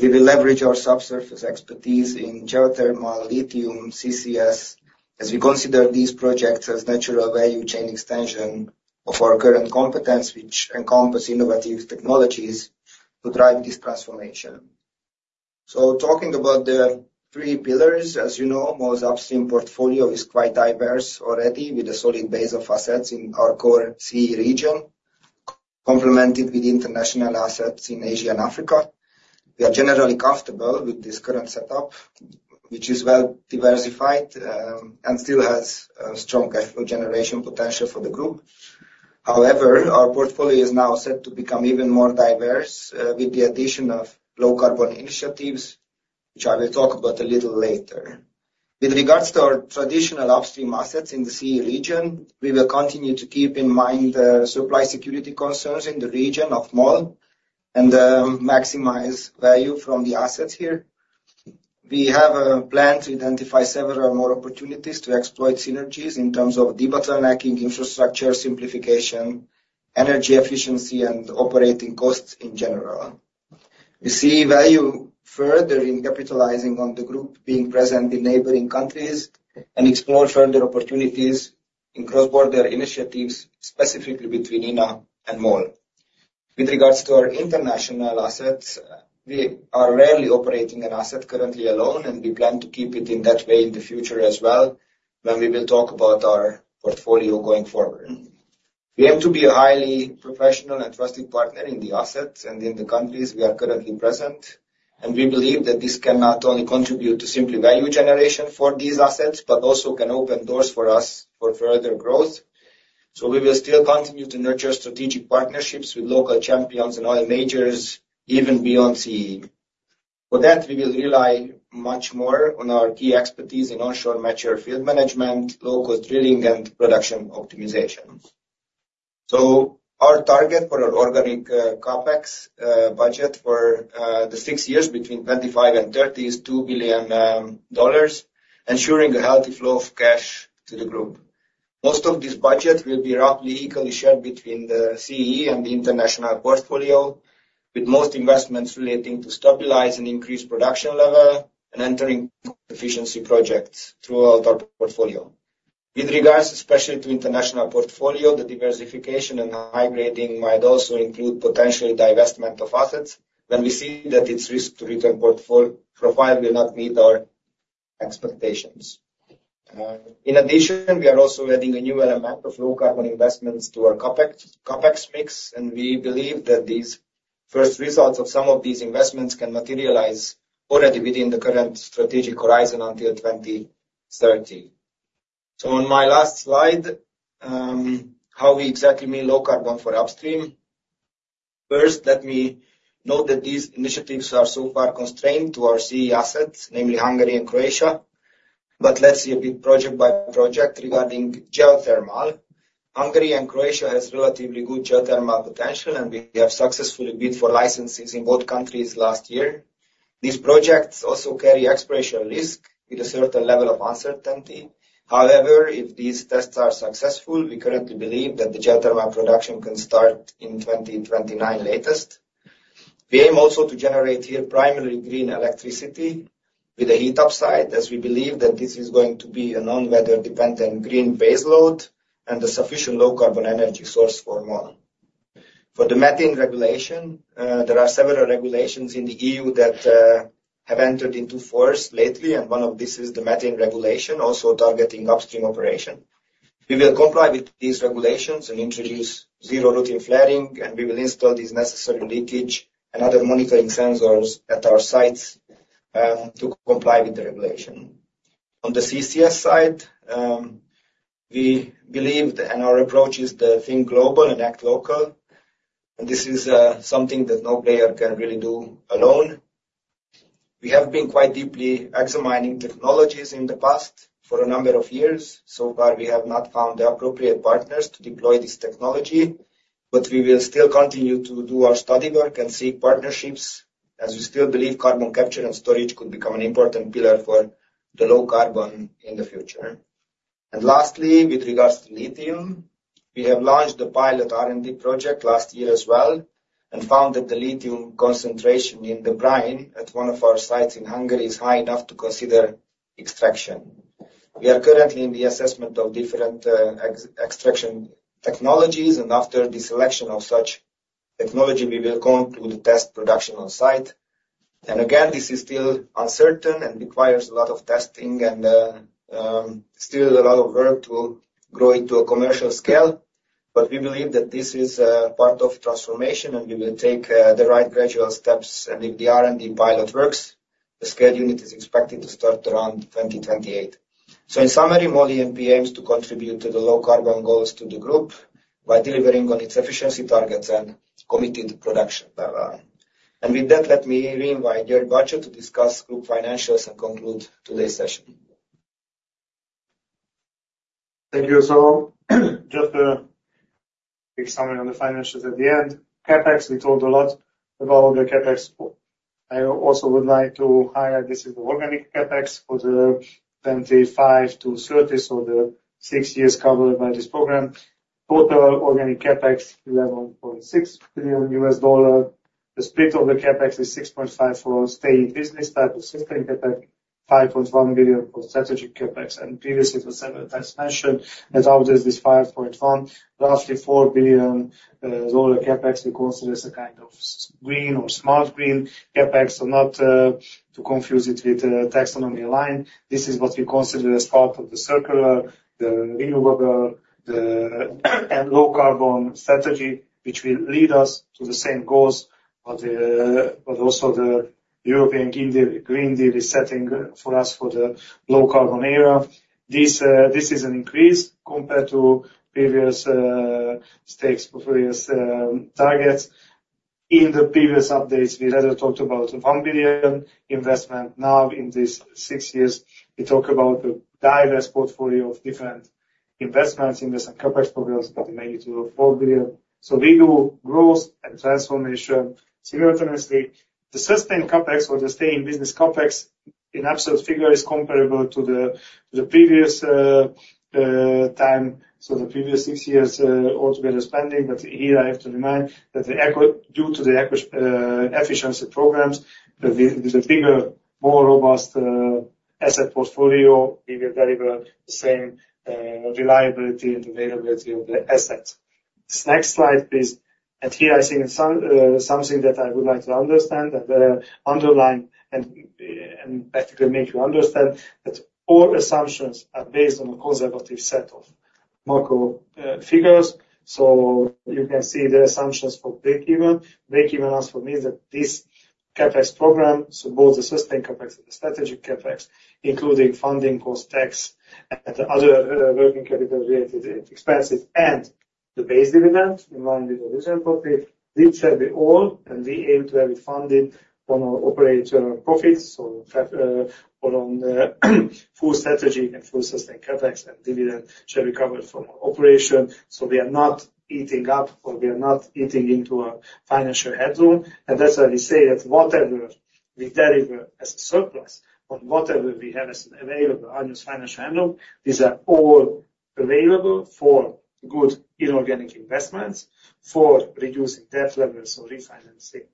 We will leverage our subsurface expertise in geothermal, lithium, CCS, as we consider these projects as natural value chain extension of our current competence, which encompass innovative technologies to drive this transformation. So talking about the three pillars, as you know, most upstream portfolio is quite diverse already, with a solid base of assets in our core CEE region, complemented with international assets in Asia and Africa. We are generally comfortable with this current setup, which is well diversified, and still has a strong cash flow generation potential for the group. However, our portfolio is now set to become even more diverse, with the addition of low-carbon initiatives, which I will talk about a little later. With regards to our traditional upstream assets in the CEE region, we will continue to keep in mind the supply security concerns in the region of MOL and, maximize value from the assets here. We have a plan to identify several more opportunities to exploit synergies in terms of debottlenecking infrastructure, simplification, energy efficiency, and operating costs in general. We see value further in capitalizing on the group being present in neighboring countries and explore further opportunities in cross-border initiatives, specifically between INA and MOL. With regards to our international assets, we are rarely operating an asset currently alone, and we plan to keep it in that way in the future as well, when we will talk about our portfolio going forward. We aim to be a highly professional and trusted partner in the assets and in the countries we are currently present, and we believe that this can not only contribute to simply value generation for these assets, but also can open doors for us for further growth. So we will still continue to nurture strategic partnerships with local champions and oil majors, even beyond CEE. For that, we will rely much more on our key expertise in onshore mature field management, low-cost drilling, and production optimization... So our target for our organic CapEx budget for the six years between 2025 and 2030 is $2 billion, ensuring a healthy flow of cash to the group. Most of this budget will be roughly equally shared between the CEE and the international portfolio, with most investments relating to stabilize and increase production level and entering efficiency projects throughout our portfolio. With regards, especially to international portfolio, the diversification and high grading might also include potential divestment of assets when we see that its risk-to-return profile will not meet our expectations. In addition, we are also adding a new element of low carbon investments to our CapEx mix, and we believe that these first results of some of these investments can materialize already within the current strategic horizon until 2030. So on my last slide, how we exactly mean low carbon for upstream? First, let me note that these initiatives are so far constrained to our CEE assets, namely Hungary and Croatia. But let's see a bit project by project regarding geothermal. Hungary and Croatia has relatively good geothermal potential, and we have successfully bid for licenses in both countries last year. These projects also carry exploration risk with a certain level of uncertainty. However, if these tests are successful, we currently believe that the geothermal production can start in 2029 latest. We aim also to generate here primarily green electricity with a heat upside, as we believe that this is going to be a non-weather dependent green base load and a sufficient low carbon energy source for MOL. For the methane regulation, there are several regulations in the EU that, have entered into force lately, and one of this is the methane regulation, also targeting upstream operation. We will comply with these regulations and introduce zero routine flaring, and we will install these necessary leakage and other monitoring sensors at our sites, to comply with the regulation. On the CCS side, we believed, and our approach is to think global and act local, and this is, something that no player can really do alone. We have been quite deeply examining technologies in the past for a number of years. So far, we have not found the appropriate partners to deploy this technology, but we will still continue to do our study work and seek partnerships, as we still believe carbon capture and storage could become an important pillar for the low carbon in the future. Lastly, with regards to lithium, we have launched the pilot R&D project last year as well, and found that the lithium concentration in the brine at one of our sites in Hungary is high enough to consider extraction. We are currently in the assessment of different extraction technologies, and after the selection of such technology, we will come to the test production on site. And again, this is still uncertain and requires a lot of testing and still a lot of work to grow into a commercial scale, but we believe that this is part of transformation and we will take the right gradual steps. And if the R&D pilot works, the scale unit is expected to start around 2028. So in summary, MOL E&P aims to contribute to the low carbon goals to the group by delivering on its efficiency targets and committed production. And with that, let me re-invite György Bacsa to discuss group financials and conclude today's session. Thank you, so, just a quick summary on the financials at the end. CapEx, we talked a lot about the CapEx. I also would like to highlight, this is the organic CapEx for the 25-30, so the six years covered by this program. Total organic CapEx, $11.6 billion. The split of the CapEx is $6.5 billion for stay in business type of system CapEx, $5.1 billion for strategic CapEx, and previously it was several times mentioned that out of this $5.1 billion, roughly $4 billion dollar CapEx we consider as a kind of green or smart green CapEx. So not to confuse it with taxonomy line, this is what we consider as part of the circular, the renewable, and low carbon strategy, which will lead us to the same goals, but also the European Green Deal is setting for us for the low carbon era. This is an increase compared to previous stakes, previous targets. In the previous updates, we rather talked about $1 billion investment. Now, in this six years, we talk about a diverse portfolio of different investments in this CapEx programs, but the negative of $4 billion. So we do growth and transformation simultaneously. The sustained CapEx, or the stay in business CapEx, in absolute figure, is comparable to the previous time, so the previous six years altogether spending. But here I have to remind that due to the eco efficiency programs, with a bigger, more robust asset portfolio, we will deliver the same reliability and availability of the assets. This next slide, please. And here I see something that I would like to understand, and underline, and practically make you understand, that all assumptions are based on a conservative set of macro figures. So you can see the assumptions for breakeven. Breakeven as for me, that this CapEx program, so both the sustained CapEx and the strategic CapEx, including funding costs, tax, and other working capital related expenses, and the base dividend, in line with the division property, these are all, and we aim to have it funded on our operator profits. So, on the full strategy and full sustained CapEx and dividend shall be covered from our operation. So we are not eating up or we are not eating into our financial headroom. And that's why we say that whatever we deliver as a surplus or whatever we have as available, unused financial headroom, these are all available for good inorganic investments, for reducing debt levels or refinancing,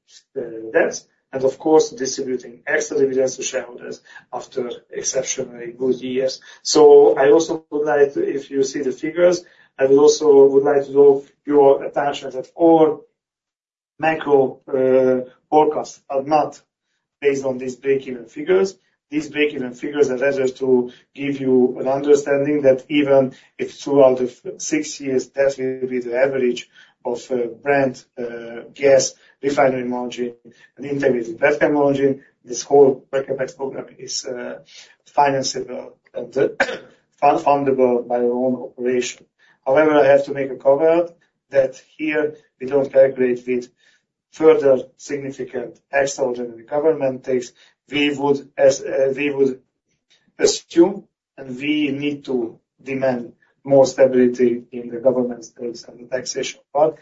debts, and of course, distributing extra dividends to shareholders after exceptionally good years. So I also would like, if you see the figures, I would also would like to draw your attention that all macro, forecasts are not based on these breakeven figures. These breakeven figures are rather to give you an understanding that even if 2 out of 6 years, that will be the average of Brent gas refinery margin, and integrated petchem margin, this whole CapEx program is financeable and fundable by our own operation. However, I have to make a caveat that here we don't calculate with further significant extraordinary government takes. We would assume, and we need to demand more stability in the government takes and the taxation part,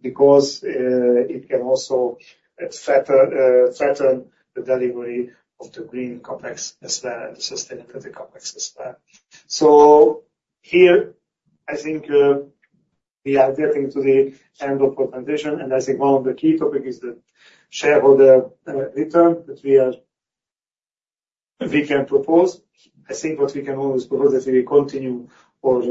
because it can also threaten the delivery of the green complex as well, and the sustainability complex as well. So here, I think, we are getting to the end of the presentation, and I think one of the key topic is the shareholder return that we can propose. I think what we can always propose, that we continue our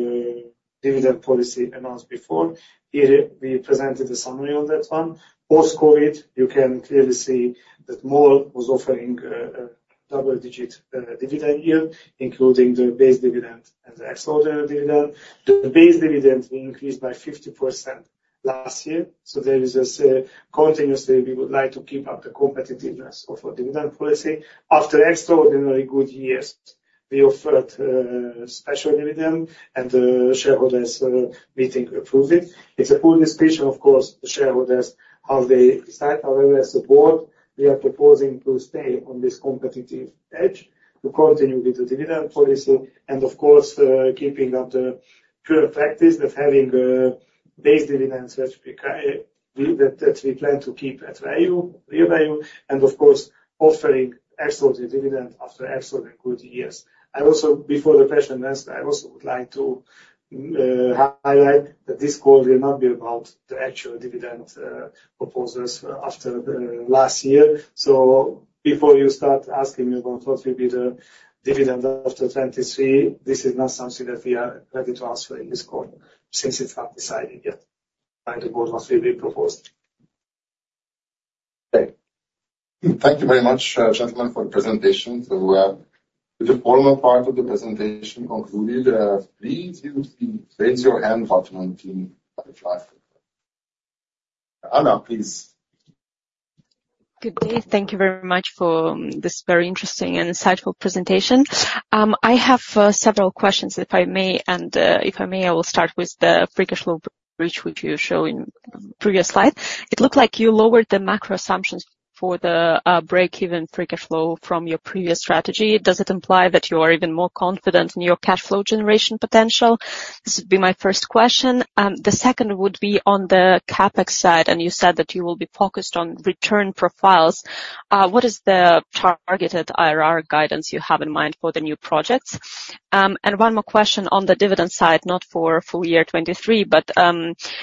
dividend policy announced before. Here, we presented a summary on that one. Post-COVID, you can clearly see that MOL was offering a double-digit dividend yield, including the base dividend and the extraordinary dividend. The base dividend increased by 50% last year, so there is a continuously, we would like to keep up the competitiveness of our dividend policy. After extraordinarily good years, we offered special dividend, and the shareholders meeting approved it. It's a full discretion, of course, the shareholders, how they decide. However, as the board, we are proposing to stay on this competitive edge, to continue with the dividend policy, and of course, keeping up the current practice of having a base dividend, which we plan to keep at value, real value, and of course, offering extraordinary dividend after extraordinary good years. Before the question asked, I also would like to highlight that this call will not be about the actual dividend proposals after last year. So before you start asking me about what will be the dividend after 2023, this is not something that we are ready to answer in this call, since it's not decided yet by the board what will be proposed. Thank you very much, gentlemen, for the presentation. So, with the formal part of the presentation concluded, please use the raise your hand button on Zoom. Anna, please. Good day. Thank you very much for this very interesting and insightful presentation. I have several questions, if I may, and, if I may, I will start with the free cash flow, which you show in previous slide. It looked like you lowered the macro assumptions for the breakeven free cash flow from your previous strategy. Does it imply that you are even more confident in your cash flow generation potential? This would be my first question. The second would be on the CapEx side, and you said that you will be focused on return profiles. What is the targeted IRR guidance you have in mind for the new projects? One more question on the dividend side, not for full year 2023, but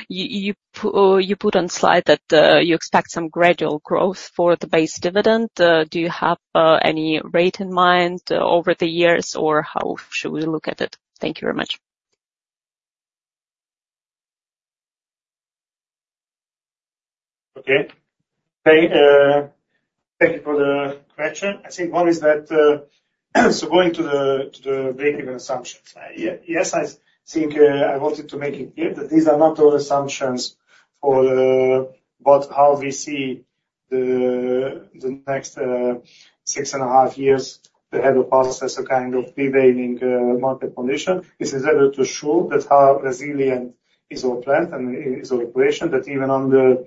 you put on slide that you expect some gradual growth for the base dividend. Do you have any rate in mind over the years, or how should we look at it? Thank you very much. Okay. Hey, thank you for the question. I think one is that, so going to the breakeven assumptions. Yes, I think I wanted to make it clear that these are not all assumptions for what, how we see the next six and a half years ahead of us, as a kind of prevailing market condition. This is rather to show that how resilient is our plant and is our operation, that even under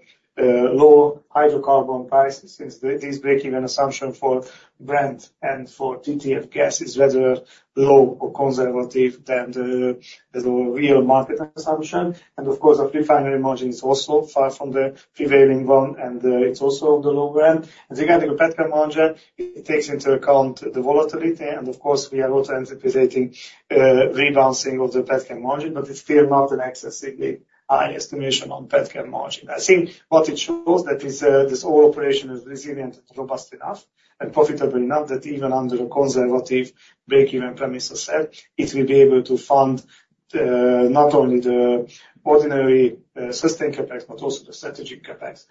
low hydrocarbon prices, since this breakeven assumption for Brent and for TTF gas is rather low or conservative than the real market assumption. And of course, the refinery margin is also far from the prevailing one, and it's also on the low end. And regarding the petchem margin, it takes into account the volatility. Of course, we are also anticipating rebounding of the petchem margin, but it's still not an excessively high estimation on petchem margin. I think what it shows that is this whole operation is resilient, robust enough, and profitable enough, that even under a conservative breakeven premise, as said, it will be able to fund not only the ordinary sustained CapEx, but also the strategic CapEx,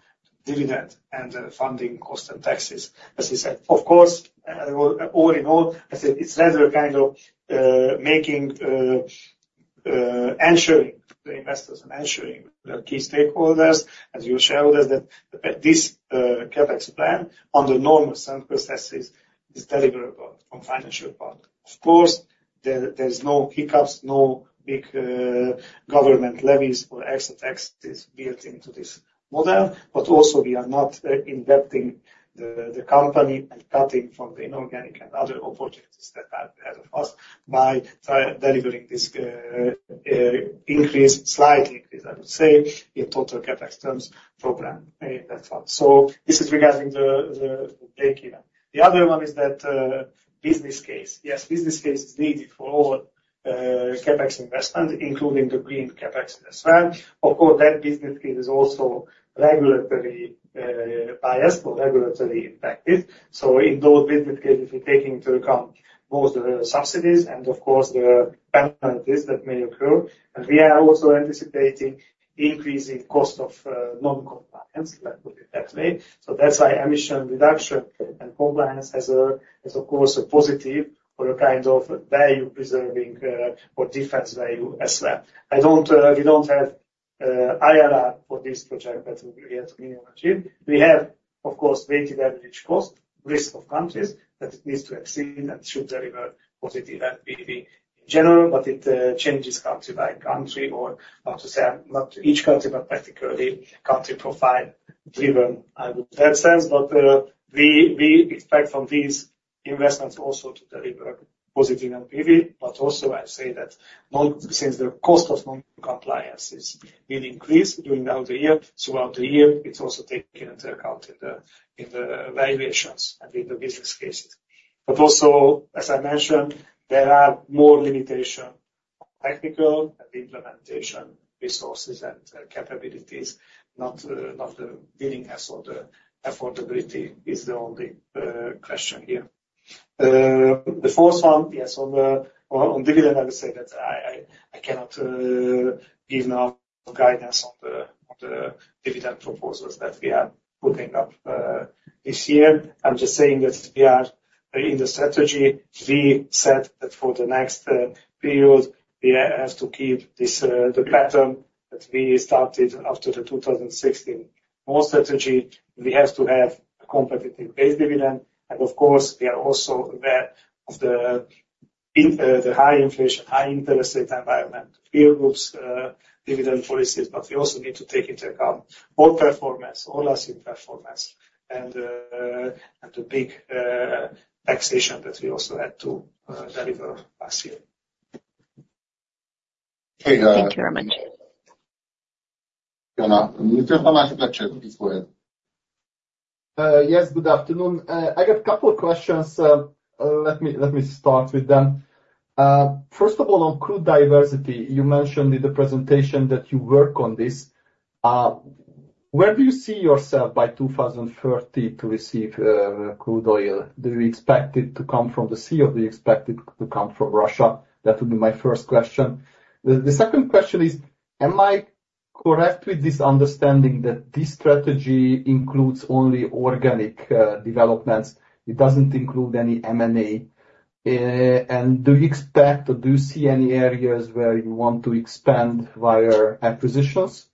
dividend, and the funding cost and taxes. As you said, of course, all, all in all, I said it's rather a kind of making ensuring the investors and ensuring the key stakeholders, as you shared with us, that this CapEx plan on the normal sales processes is deliverable from financial part. Of course, there, there's no hiccups, no big government levies or exit tax is built into this model. But also, we are not indebting the company and cutting from the inorganic and other opportunities that are ahead of us by delivering this slight increase, I would say, in total CapEx terms program. That's all. So this is regarding the breakeven. The other one is that business case. Yes, business case is needed for all CapEx investment, including the green CapEx as well. Of course, that business case is also regulatory biased or regulatory impacted. So in those business case, if you take into account both the subsidies and of course, the penalties that may occur, and we are also anticipating increasing cost of non-compliance, let's put it that way. So that's why emission reduction and compliance is of course a positive or a kind of value preserving or defense value as well. I don't, we don't have, IRR for this project that we have achieved. We have, of course, weighted average cost, risk of countries that needs to exceed and should deliver positive NPV in general, but it, changes country by country, or not to say not each country, but particularly country profile-driven, I would have sense. But, we, we expect from these investments also to deliver positive NPV. But also I say that non- since the cost of non-compliance is will increase during the year, throughout the year, it's also taken into account in the, in the valuations and in the business cases. But also, as I mentioned, there are more limitation of technical and implementation resources and capabilities, not, not the willingness or the affordability is the only, question here. The fourth one, yes, on the dividend, I would say that I cannot give now guidance on the dividend proposals that we are putting up this year. I'm just saying that we are in the strategy. We said that for the next period, we have to keep this, the pattern that we started after the 2016 MOL strategy. We have to have a competitive base dividend, and of course, we are also aware of the high inflation, high interest rate environment, peer groups' dividend policies, but we also need to take into account our performance, all last year's performance, and the big taxation that we also had to deliver last year. Thank you, Jeremy.... Yes, good afternoon. I got a couple of questions. Let me start with them. First of all, on crude diversity, you mentioned in the presentation that you work on this. Where do you see yourself by 2030 to receive crude oil? Do you expect it to come from the sea, or do you expect it to come from Russia? That would be my first question. The second question is, am I correct with this understanding that this strategy includes only organic developments, it doesn't include any M&A? And do you expect or do you see any areas where you want to expand via acquisitions?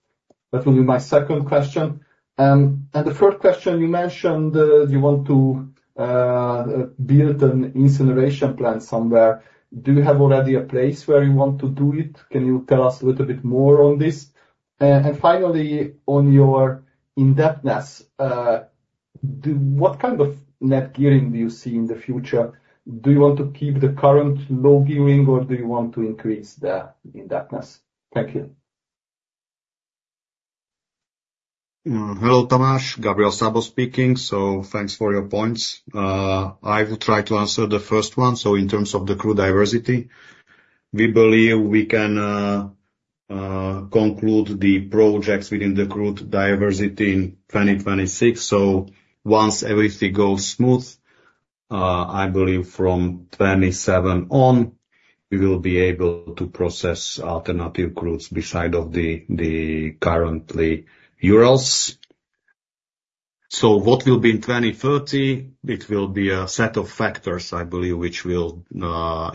That will be my second question. And the third question, you mentioned you want to build an incineration plant somewhere. Do you have already a place where you want to do it? Can you tell us a little bit more on this? And finally, on your indebtedness, what kind of net gearing do you see in the future? Do you want to keep the current low gearing, or do you want to increase the indebtedness? Thank you. Hello, Tamás. Gabriel Szabó speaking, so thanks for your points. I will try to answer the first one. So in terms of the crude diversity, we believe we can conclude the projects within the crude diversity in 2026. So once everything goes smooth, I believe from 2027 on, we will be able to process alternative crudes besides the current Urals. So what will be in 2030? It will be a set of factors, I believe, which will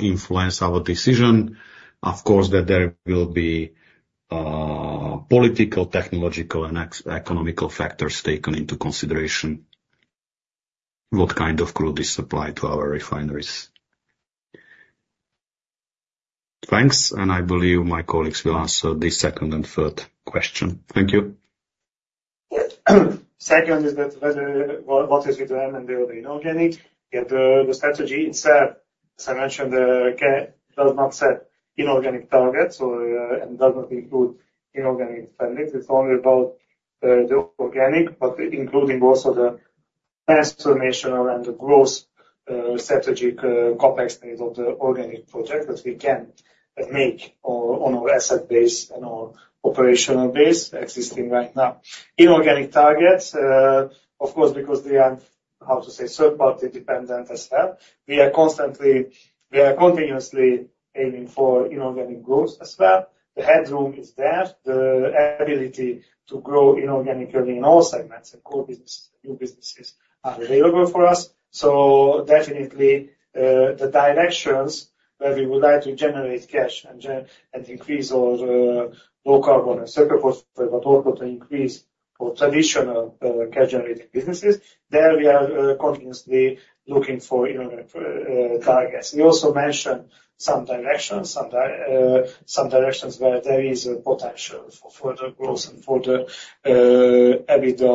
influence our decision. Of course, there will be political, technological, and economic factors taken into consideration. What kind of crude is supplied to our refineries? Thanks, and I believe my colleagues will answer the second and third question. Thank you. Yes. Second is that whether what is with the M&A, or the inorganic? Yet the strategy itself, as I mentioned, does not set inorganic targets or, and does not include inorganic standards. It's only about the organic, but including also the transformation and the growth, strategic complex need of the organic project that we can make on our asset base and our operational base existing right now. Inorganic targets, of course, because they are third-party dependent as well, we are continuously aiming for inorganic growth as well. The headroom is there. The ability to grow inorganically in all segments, and core business, new businesses are available for us. So definitely, the directions where we would like to generate cash and increase our low carbon and circular cost, but also to increase for traditional cash generating businesses, there we are continuously looking for, you know, targets. We also mentioned some directions where there is a potential for further growth and further EBITDA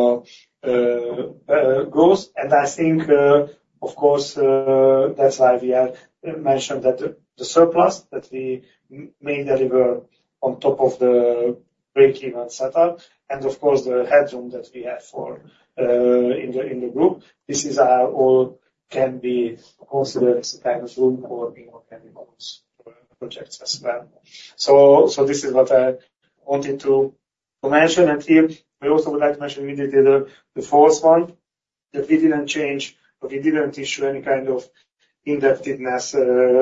growth. And I think, of course, that's why we are mentioned that the surplus that we may deliver on top of the breakeven setup, and of course, the headroom that we have for in the group. This is all can be considered as a kind of room or, you know, can be models for projects as well. So this is what I wanted to mention. Here, we also would like to mention we did the, the fourth one, that we didn't change, but we didn't issue any kind of indebtedness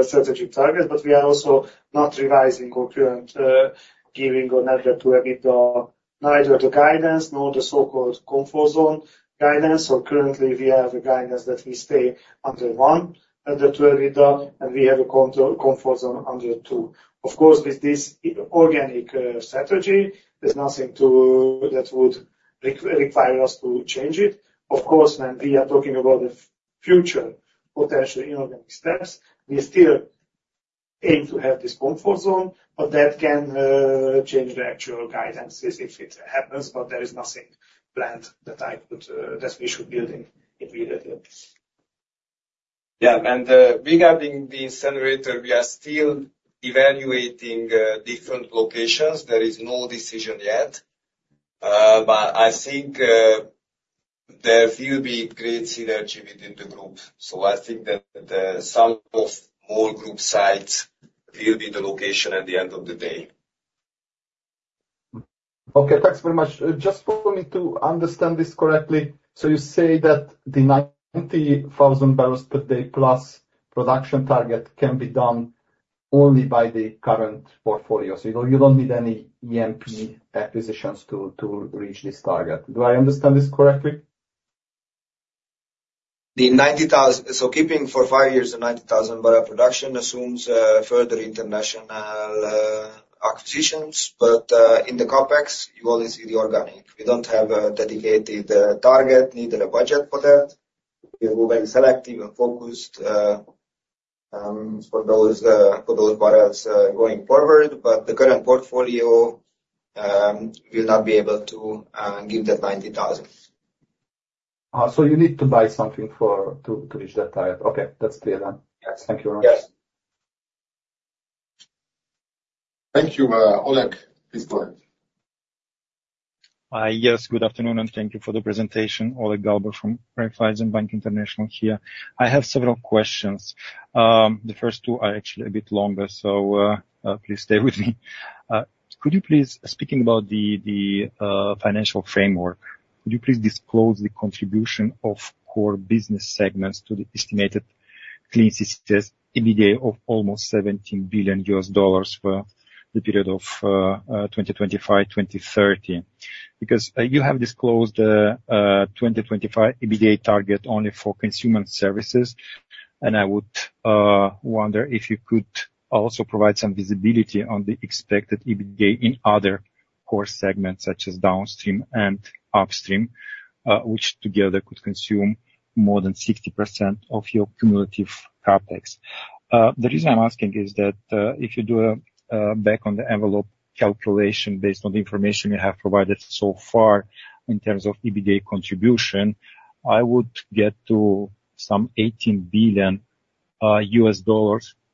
strategic target. But we are also not revising our current net debt to EBITDA, neither the guidance nor the so-called comfort zone guidance. So currently, we have a guidance that we stay under 1, under 2 EBITDA, and we have a control comfort zone under 2. Of course, with this organic strategy, there's nothing that would require us to change it. Of course, when we are talking about the future potential inorganic steps, we still aim to have this comfort zone, but that can change the actual guidance if it happens, but there is nothing planned that I could that we should build in immediately. Yeah, and regarding the incinerator, we are still evaluating different locations. There is no decision yet. But I think there will be great synergy within the group. So I think that the some of all group sites will be the location at the end of the day. Okay, thanks very much. Just for me to understand this correctly, so you say that the 90,000 barrels per day plus production target can be done only by the current portfolio. So you don't, you don't need any EMP acquisitions to, to reach this target. Do I understand this correctly? The 90,000... So keeping for five years, the 90,000 barrel production assumes further international acquisitions, but in the CapEx, you only see the organic. We don't have a dedicated target, neither a budget for that. We are very selective and focused for those barrels going forward, but the current portfolio will not be able to give that 90,000. You need to buy something for to reach that target. Okay, that's clear then. Yes. Thank you very much. Yes. Thank you. Oleg, please go ahead. Yes, good afternoon, and thank you for the presentation. Oleg Galbur from Raiffeisen Bank International here. I have several questions. The first two are actually a bit longer, so please stay with me. Could you please, speaking about the financial framework, could you please disclose the contribution of core business segments to the estimated Clean CCS EBITDA of almost $17 billion for the period of 2025-2030? Because you have disclosed 2025 EBITDA target only for consumer services, and I would wonder if you could also provide some visibility on the expected EBITDA in other core segments, such as downstream and upstream, which together could consume more than 60% of your cumulative CapEx. The reason I'm asking is that, if you do a back-of-the-envelope calculation based on the information you have provided so far in terms of EBITDA contribution, I would get to some $18 billion of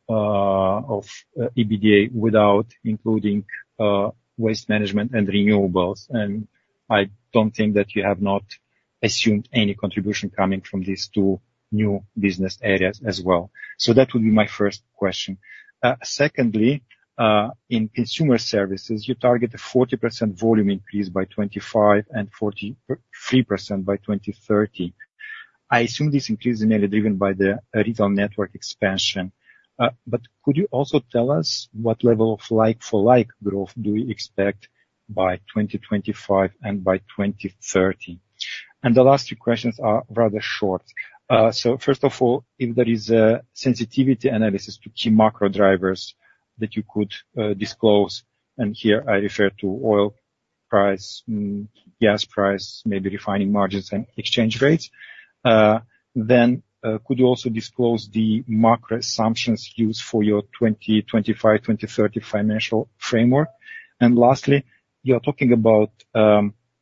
EBITDA without including waste management and renewables. And I don't think that you have not assumed any contribution coming from these two new business areas as well. So that would be my first question. Secondly, in consumer services, you target a 40% volume increase by 2025, and 43% by 2030. I assume this increase is mainly driven by the retail network expansion. But could you also tell us what level of like for like growth do you expect by 2025 and by 2030? And the last two questions are rather short. So first of all, if there is a sensitivity analysis to key macro drivers that you could disclose, and here I refer to oil price, gas price, maybe refining margins and exchange rates, then could you also disclose the macro assumptions used for your 2025, 2030 financial framework? And lastly, you are talking about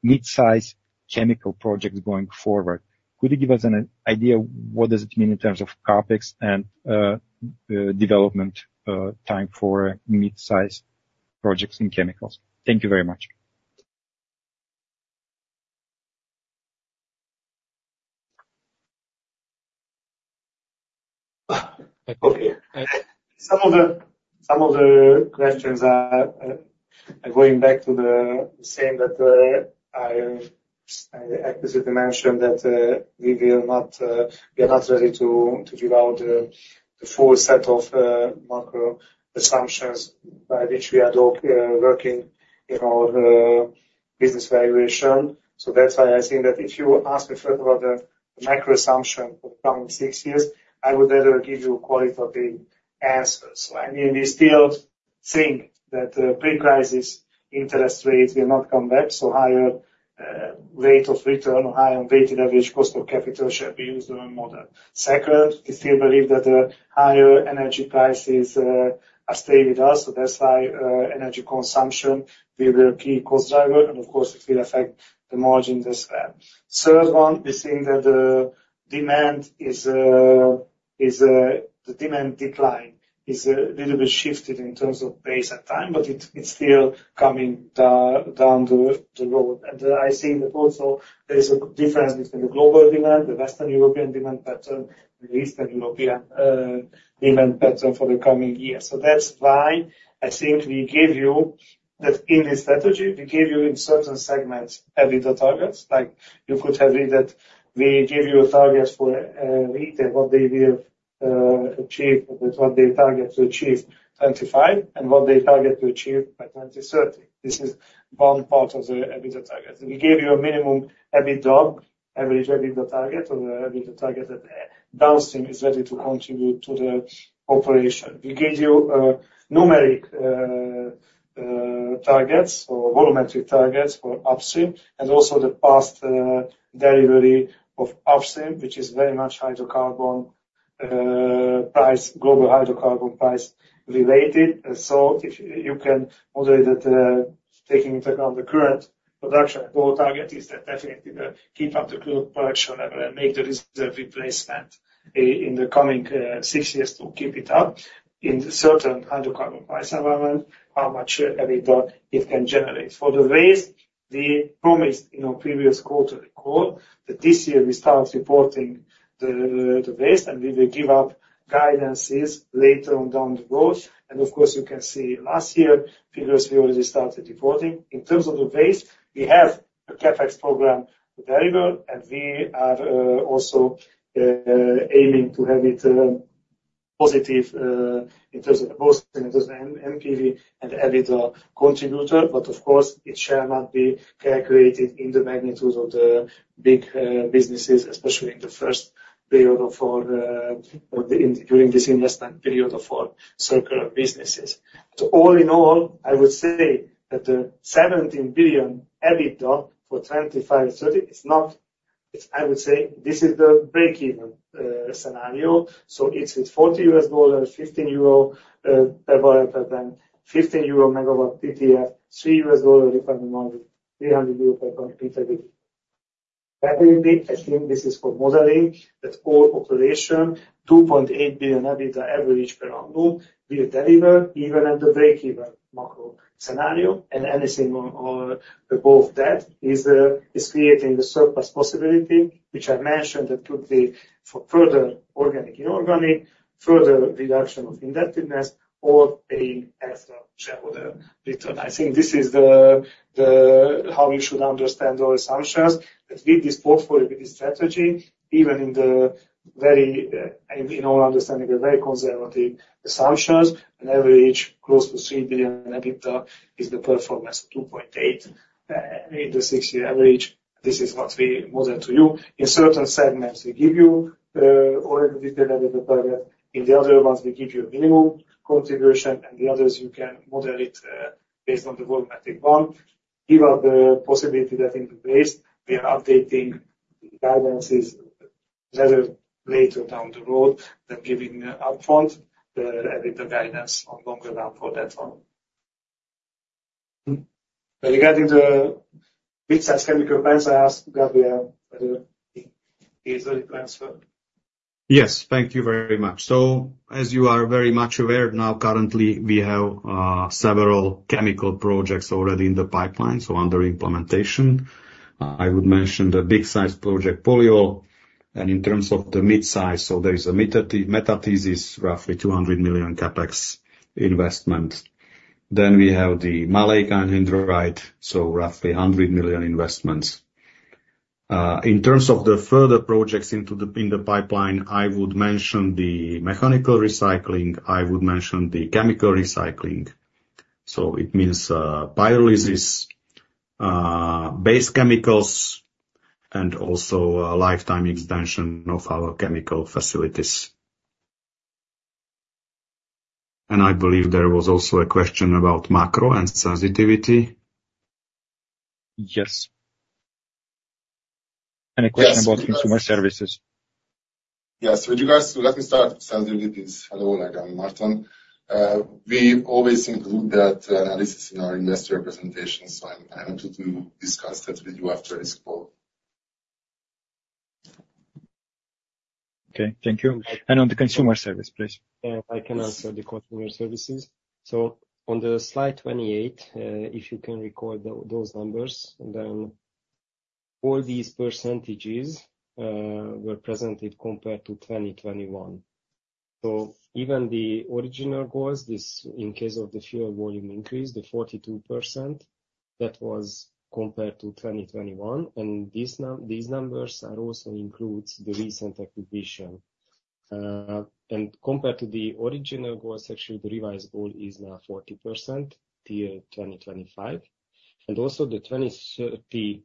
mid-sized chemical projects going forward. Could you give us an idea what does it mean in terms of CapEx and development time for mid-sized projects and chemicals? Thank you very much. Okay. Some of the questions are going back to the same that I explicitly mentioned that we are not ready to give out the full set of macro assumptions by which we are all working in our business valuation. So that's why I think that if you ask me further about the macro assumption for the coming six years, I would rather give you qualitative answers. So I mean, we think that pre-crisis interest rates will not come back, so higher rate of return or higher weighted average cost of capital shall be used on a model. Second, we still believe that the higher energy prices are staying with us, so that's why energy consumption be the key cost driver, and of course, it will affect the margin as well. Third one, we think that the demand decline is a little bit shifted in terms of pace and time, but it's still coming down the road. And I think that also there is a difference between the global demand, the Western European demand pattern, the Eastern European demand pattern for the coming years. So that's why I think we gave you that in the strategy, we gave you in certain segments EBITDA targets. Like, you could have read that we gave you a target for retail, what they will achieve, with what they target to achieve 25, and what they target to achieve by 2030. This is one part of the EBITDA target. We gave you a minimum EBITDA, average EBITDA target, or the EBITDA target that downstream is ready to contribute to the operation. We gave you numeric targets or volumetric targets for upstream, and also the past delivery of upstream, which is very much hydrocarbon price, global hydrocarbon price-related. And so if you can model it, taking into account the current production, goal target is to definitely keep up the current production level and make the reserve replacement in the coming six years to keep it up. In the certain hydrocarbon price environment, how much EBITDA it can generate. For the waste, we promised in our previous quarterly call, that this year we start reporting the waste, and we will give out guidances later on down the road. Of course, you can see last year, figures we already started reporting. In terms of the waste, we have a CapEx program deliver, and we are also aiming to have it positive in terms of both in terms of NPV and EBITDA contributor. But of course, it shall not be calculated in the magnitude of the big businesses, especially in the first period of our or during this investment period of our circular businesses. So all in all, I would say that the $17 billion EBITDA for 2025, 2030, is not. It's. I would say, this is the breakeven scenario. So it's with $40, 15 euro per barrel, and 15 euro megawatt TTF, $3 refinery margin, EUR 300 per ton PET EBITDA. I think this is for modeling, that all operation, $2.8 billion EBITDA average per annum, will deliver even at the breakeven macro scenario. And anything above that is creating the surplus possibility, which I mentioned, that could be for further organic, inorganic, further reduction of indebtedness or an extra shareholder return. I think this is the how you should understand our assumptions. That with this portfolio, with this strategy, even in the very, in our understanding, the very conservative assumptions, an average close to $3 billion EBITDA is the performance of 2.8, in the 6-year average. This is what we model to you. In certain segments, we give you all the detailed EBITDA target. In the other ones, we give you minimum contribution, and the others, you can model it based on the volumetric one. Give us the possibility that in the waste, we are updating guidances rather later down the road than giving upfront the EBITDA guidance on longer run for that one. Mm-hmm. But regarding the mid-size chemical plants, I ask Gabriel, he is ready to answer. Yes. Thank you very much. So as you are very much aware now, currently, we have several chemical projects already in the pipeline, so under implementation. I would mention the big-sized project, polyol, and in terms of the mid-size, so there is a metathesis, roughly $200 million CapEx investment. Then we have the maleic anhydride, so roughly $100 million investments. In terms of the further projects into the in the pipeline, I would mention the mechanical recycling, I would mention the chemical recycling. So it means pyrolysis, base chemicals, and also a lifetime extension of our chemical facilities. And I believe there was also a question about macro and sensitivity. Yes. Any question about consumer services? Yes. Would you guys let me start? Sensitivity is low, like I'm Márton. We always include that analysis in our investor presentation, so I want to discuss that with you after this call. Okay, thank you. And on the consumer service, please. I can answer the consumer services. So on the slide 28, if you can recall those numbers, and then all these percentages were presented compared to 2021. So even the original goals, this in case of the fuel volume increase, the 42%, that was compared to 2021, and these numbers are also includes the recent acquisition. And compared to the original goals, actually, the revised goal is now 40% till 2025. And also, the 2030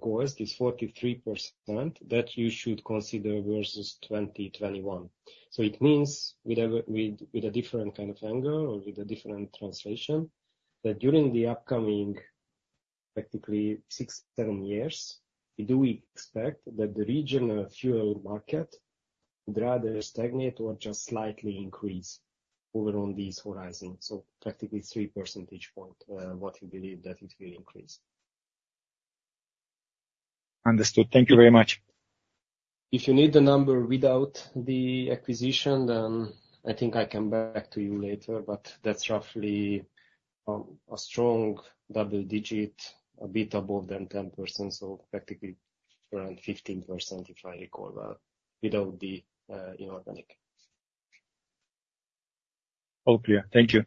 goals, this 43% that you should consider versus 2021. So it means with a different kind of angle or with a different translation, that during the upcoming, practically 6-7 years, we do expect that the regional fuel market would rather stagnate or just slightly increase over these horizons. Practically three percentage points, what we believe that it will increase. Understood. Thank you very much. If you need the number without the acquisition, then I think I come back to you later, but that's roughly a strong double digit, a bit above than 10%, so practically around 15%, if I recall well, without the inorganic. All clear. Thank you.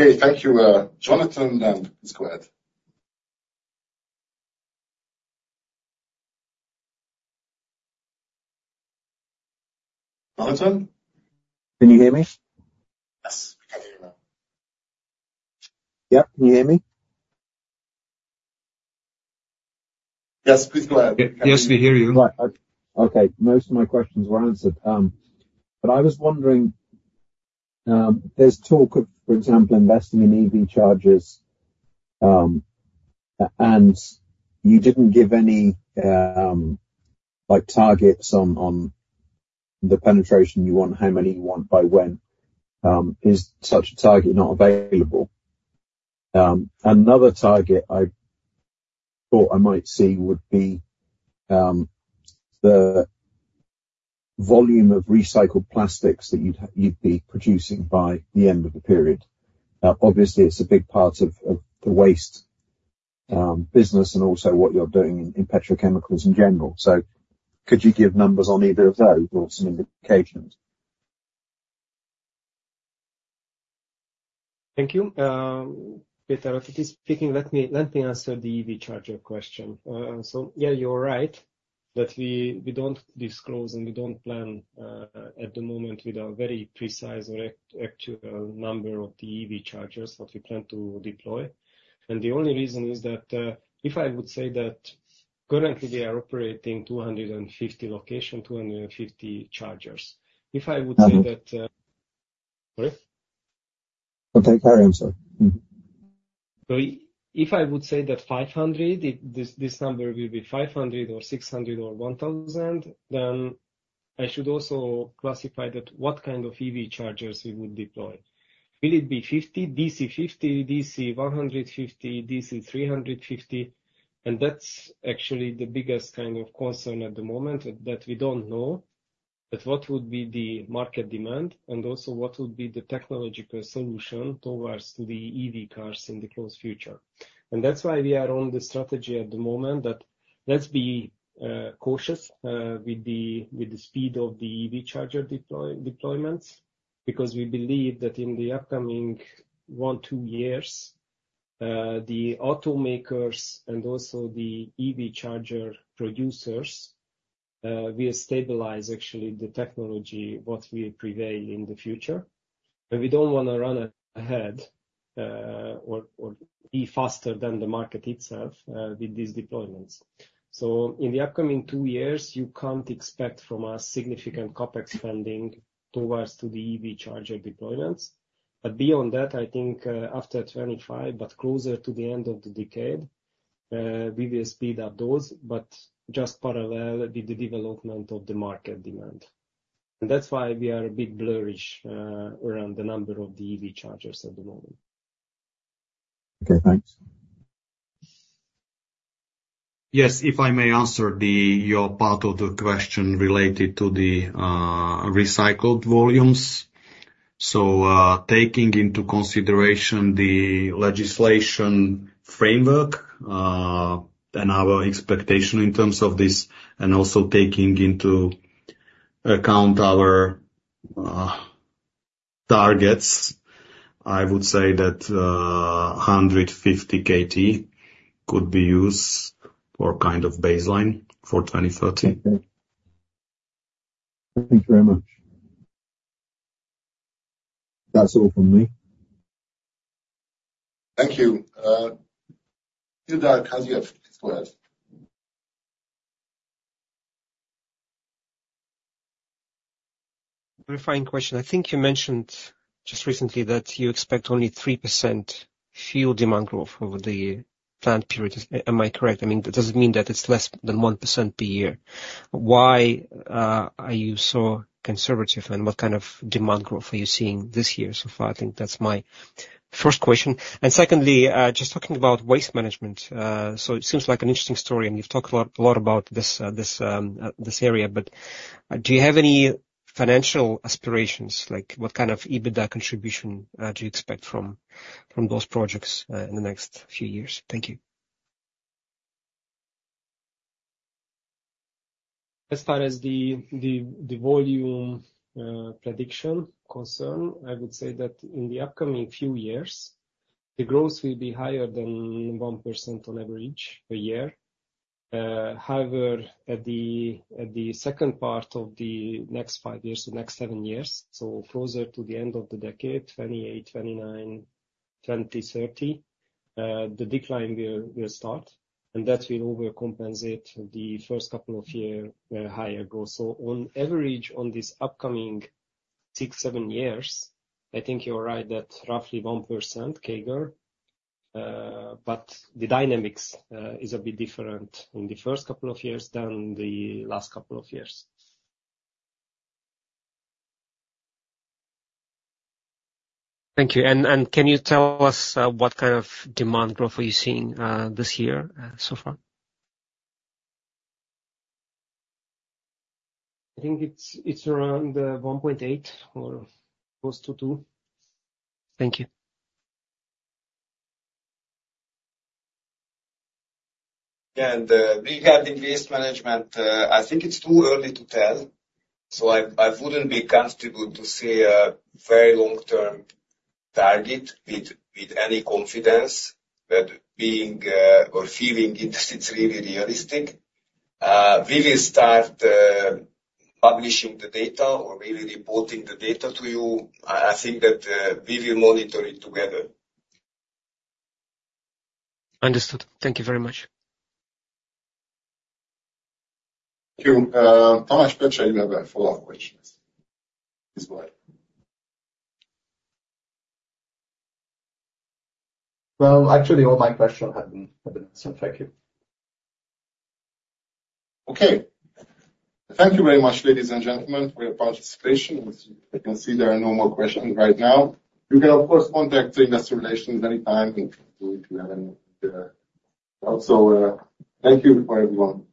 Okay. Thank you, Jonathan, then please go ahead. Jonathan? Can you hear me? Yes, I can hear you now. Yep. Can you hear me? Yes, please go ahead. Yes, we hear you. Right. Okay. Most of my questions were answered, but I was wondering, there's talk of, for example, investing in EV chargers, and you didn't give any, like, targets on the penetration you want, how many you want, by when. Is such a target not available? Another target I thought I might see would be the volume of recycled plastics that you'd be producing by the end of the period. Obviously, it's a big part of the waste business and also what you're doing in petrochemicals in general. So could you give numbers on either of those or some indications? Thank you. Péter, Ratatics speaking, let me, let me answer the EV charger question. So yeah, you're right, that we, we don't disclose, and we don't plan, at the moment with a very precise or actual number of the EV chargers that we plan to deploy. And the only reason is that, if I would say that currently we are operating 250 locations, 250 chargers. If I would say that, Uh- Sorry? Okay, carry on, sorry. Mm-hmm. So if I would say that 500, this number will be 500 or 600 or 1,000, then I should also classify that what kind of EV chargers we would deploy. Will it be 50 DC, 50 DC, 150 DC, 350 DC? And that's actually the biggest kind of concern at the moment, that we don't know, that what would be the market demand, and also what would be the technological solution towards the EV cars in the close future. And that's why we are on the strategy at the moment, that let's be cautious with the speed of the EV charger deployments, because we believe that in the upcoming 1-2 years the automakers and also the EV charger producers will stabilize actually the technology, what will prevail in the future. But we don't want to run ahead, or be faster than the market itself with these deployments. So in the upcoming two years, you can't expect from a significant CapEx spending towards to the EV charger deployments. But beyond that, I think, after 25, but closer to the end of the decade, we will speed up those, but just parallel with the development of the market demand. And that's why we are a bit blurry around the number of the EV chargers at the moment. Okay, thanks. Yes, if I may answer your part of the question related to the recycled volumes. So, taking into consideration the legislation framework, and our expectation in terms of this, and also taking into account our targets, I would say that 150 KT could be used for kind of baseline for 2030. Thank you very much. That's all from me. Thank you. How are you? Please go ahead. Verifying question. I think you mentioned just recently that you expect only 3% fuel demand growth over the planned period. Am I correct? I mean, does it mean that it's less than 1% per year? Why are you so conservative, and what kind of demand growth are you seeing this year so far? I think that's my first question. And secondly, just talking about waste management. So it seems like an interesting story, and you've talked a lot, a lot about this, this area, but do you have any financial aspirations, like what kind of EBITDA contribution do you expect from, from those projects in the next few years? Thank you. As far as the volume prediction concern, I would say that in the upcoming few years, the growth will be higher than 1% on average per year. However, at the second part of the next five years to the next seven years, so closer to the end of the decade, 2028, 2029, 2030, the decline will start, and that will overcompensate the first couple of year higher growth. So on average, on this upcoming six, seven years, I think you're right, that roughly 1% CAGR. But the dynamics is a bit different in the first couple of years than the last couple of years. Thank you. And can you tell us what kind of demand growth are you seeing this year so far? I think it's around 1.8 or close to 2. Thank you. Regarding waste management, I think it's too early to tell, so I wouldn't be comfortable to say a very long-term target with any confidence or feeling it, it's really realistic. We will start publishing the data or really reporting the data to you. I think that we will monitor it together. Understood. Thank you very much. Thank you. How much better you have follow-up questions? Please wait. Well, actually, all my questions have been answered. Thank you. Okay. Thank you very much, ladies and gentlemen, for your participation. As I can see, there are no more questions right now. You can, of course, contact Investor Relations anytime if you have any. Thank you for everyone. Bye-bye.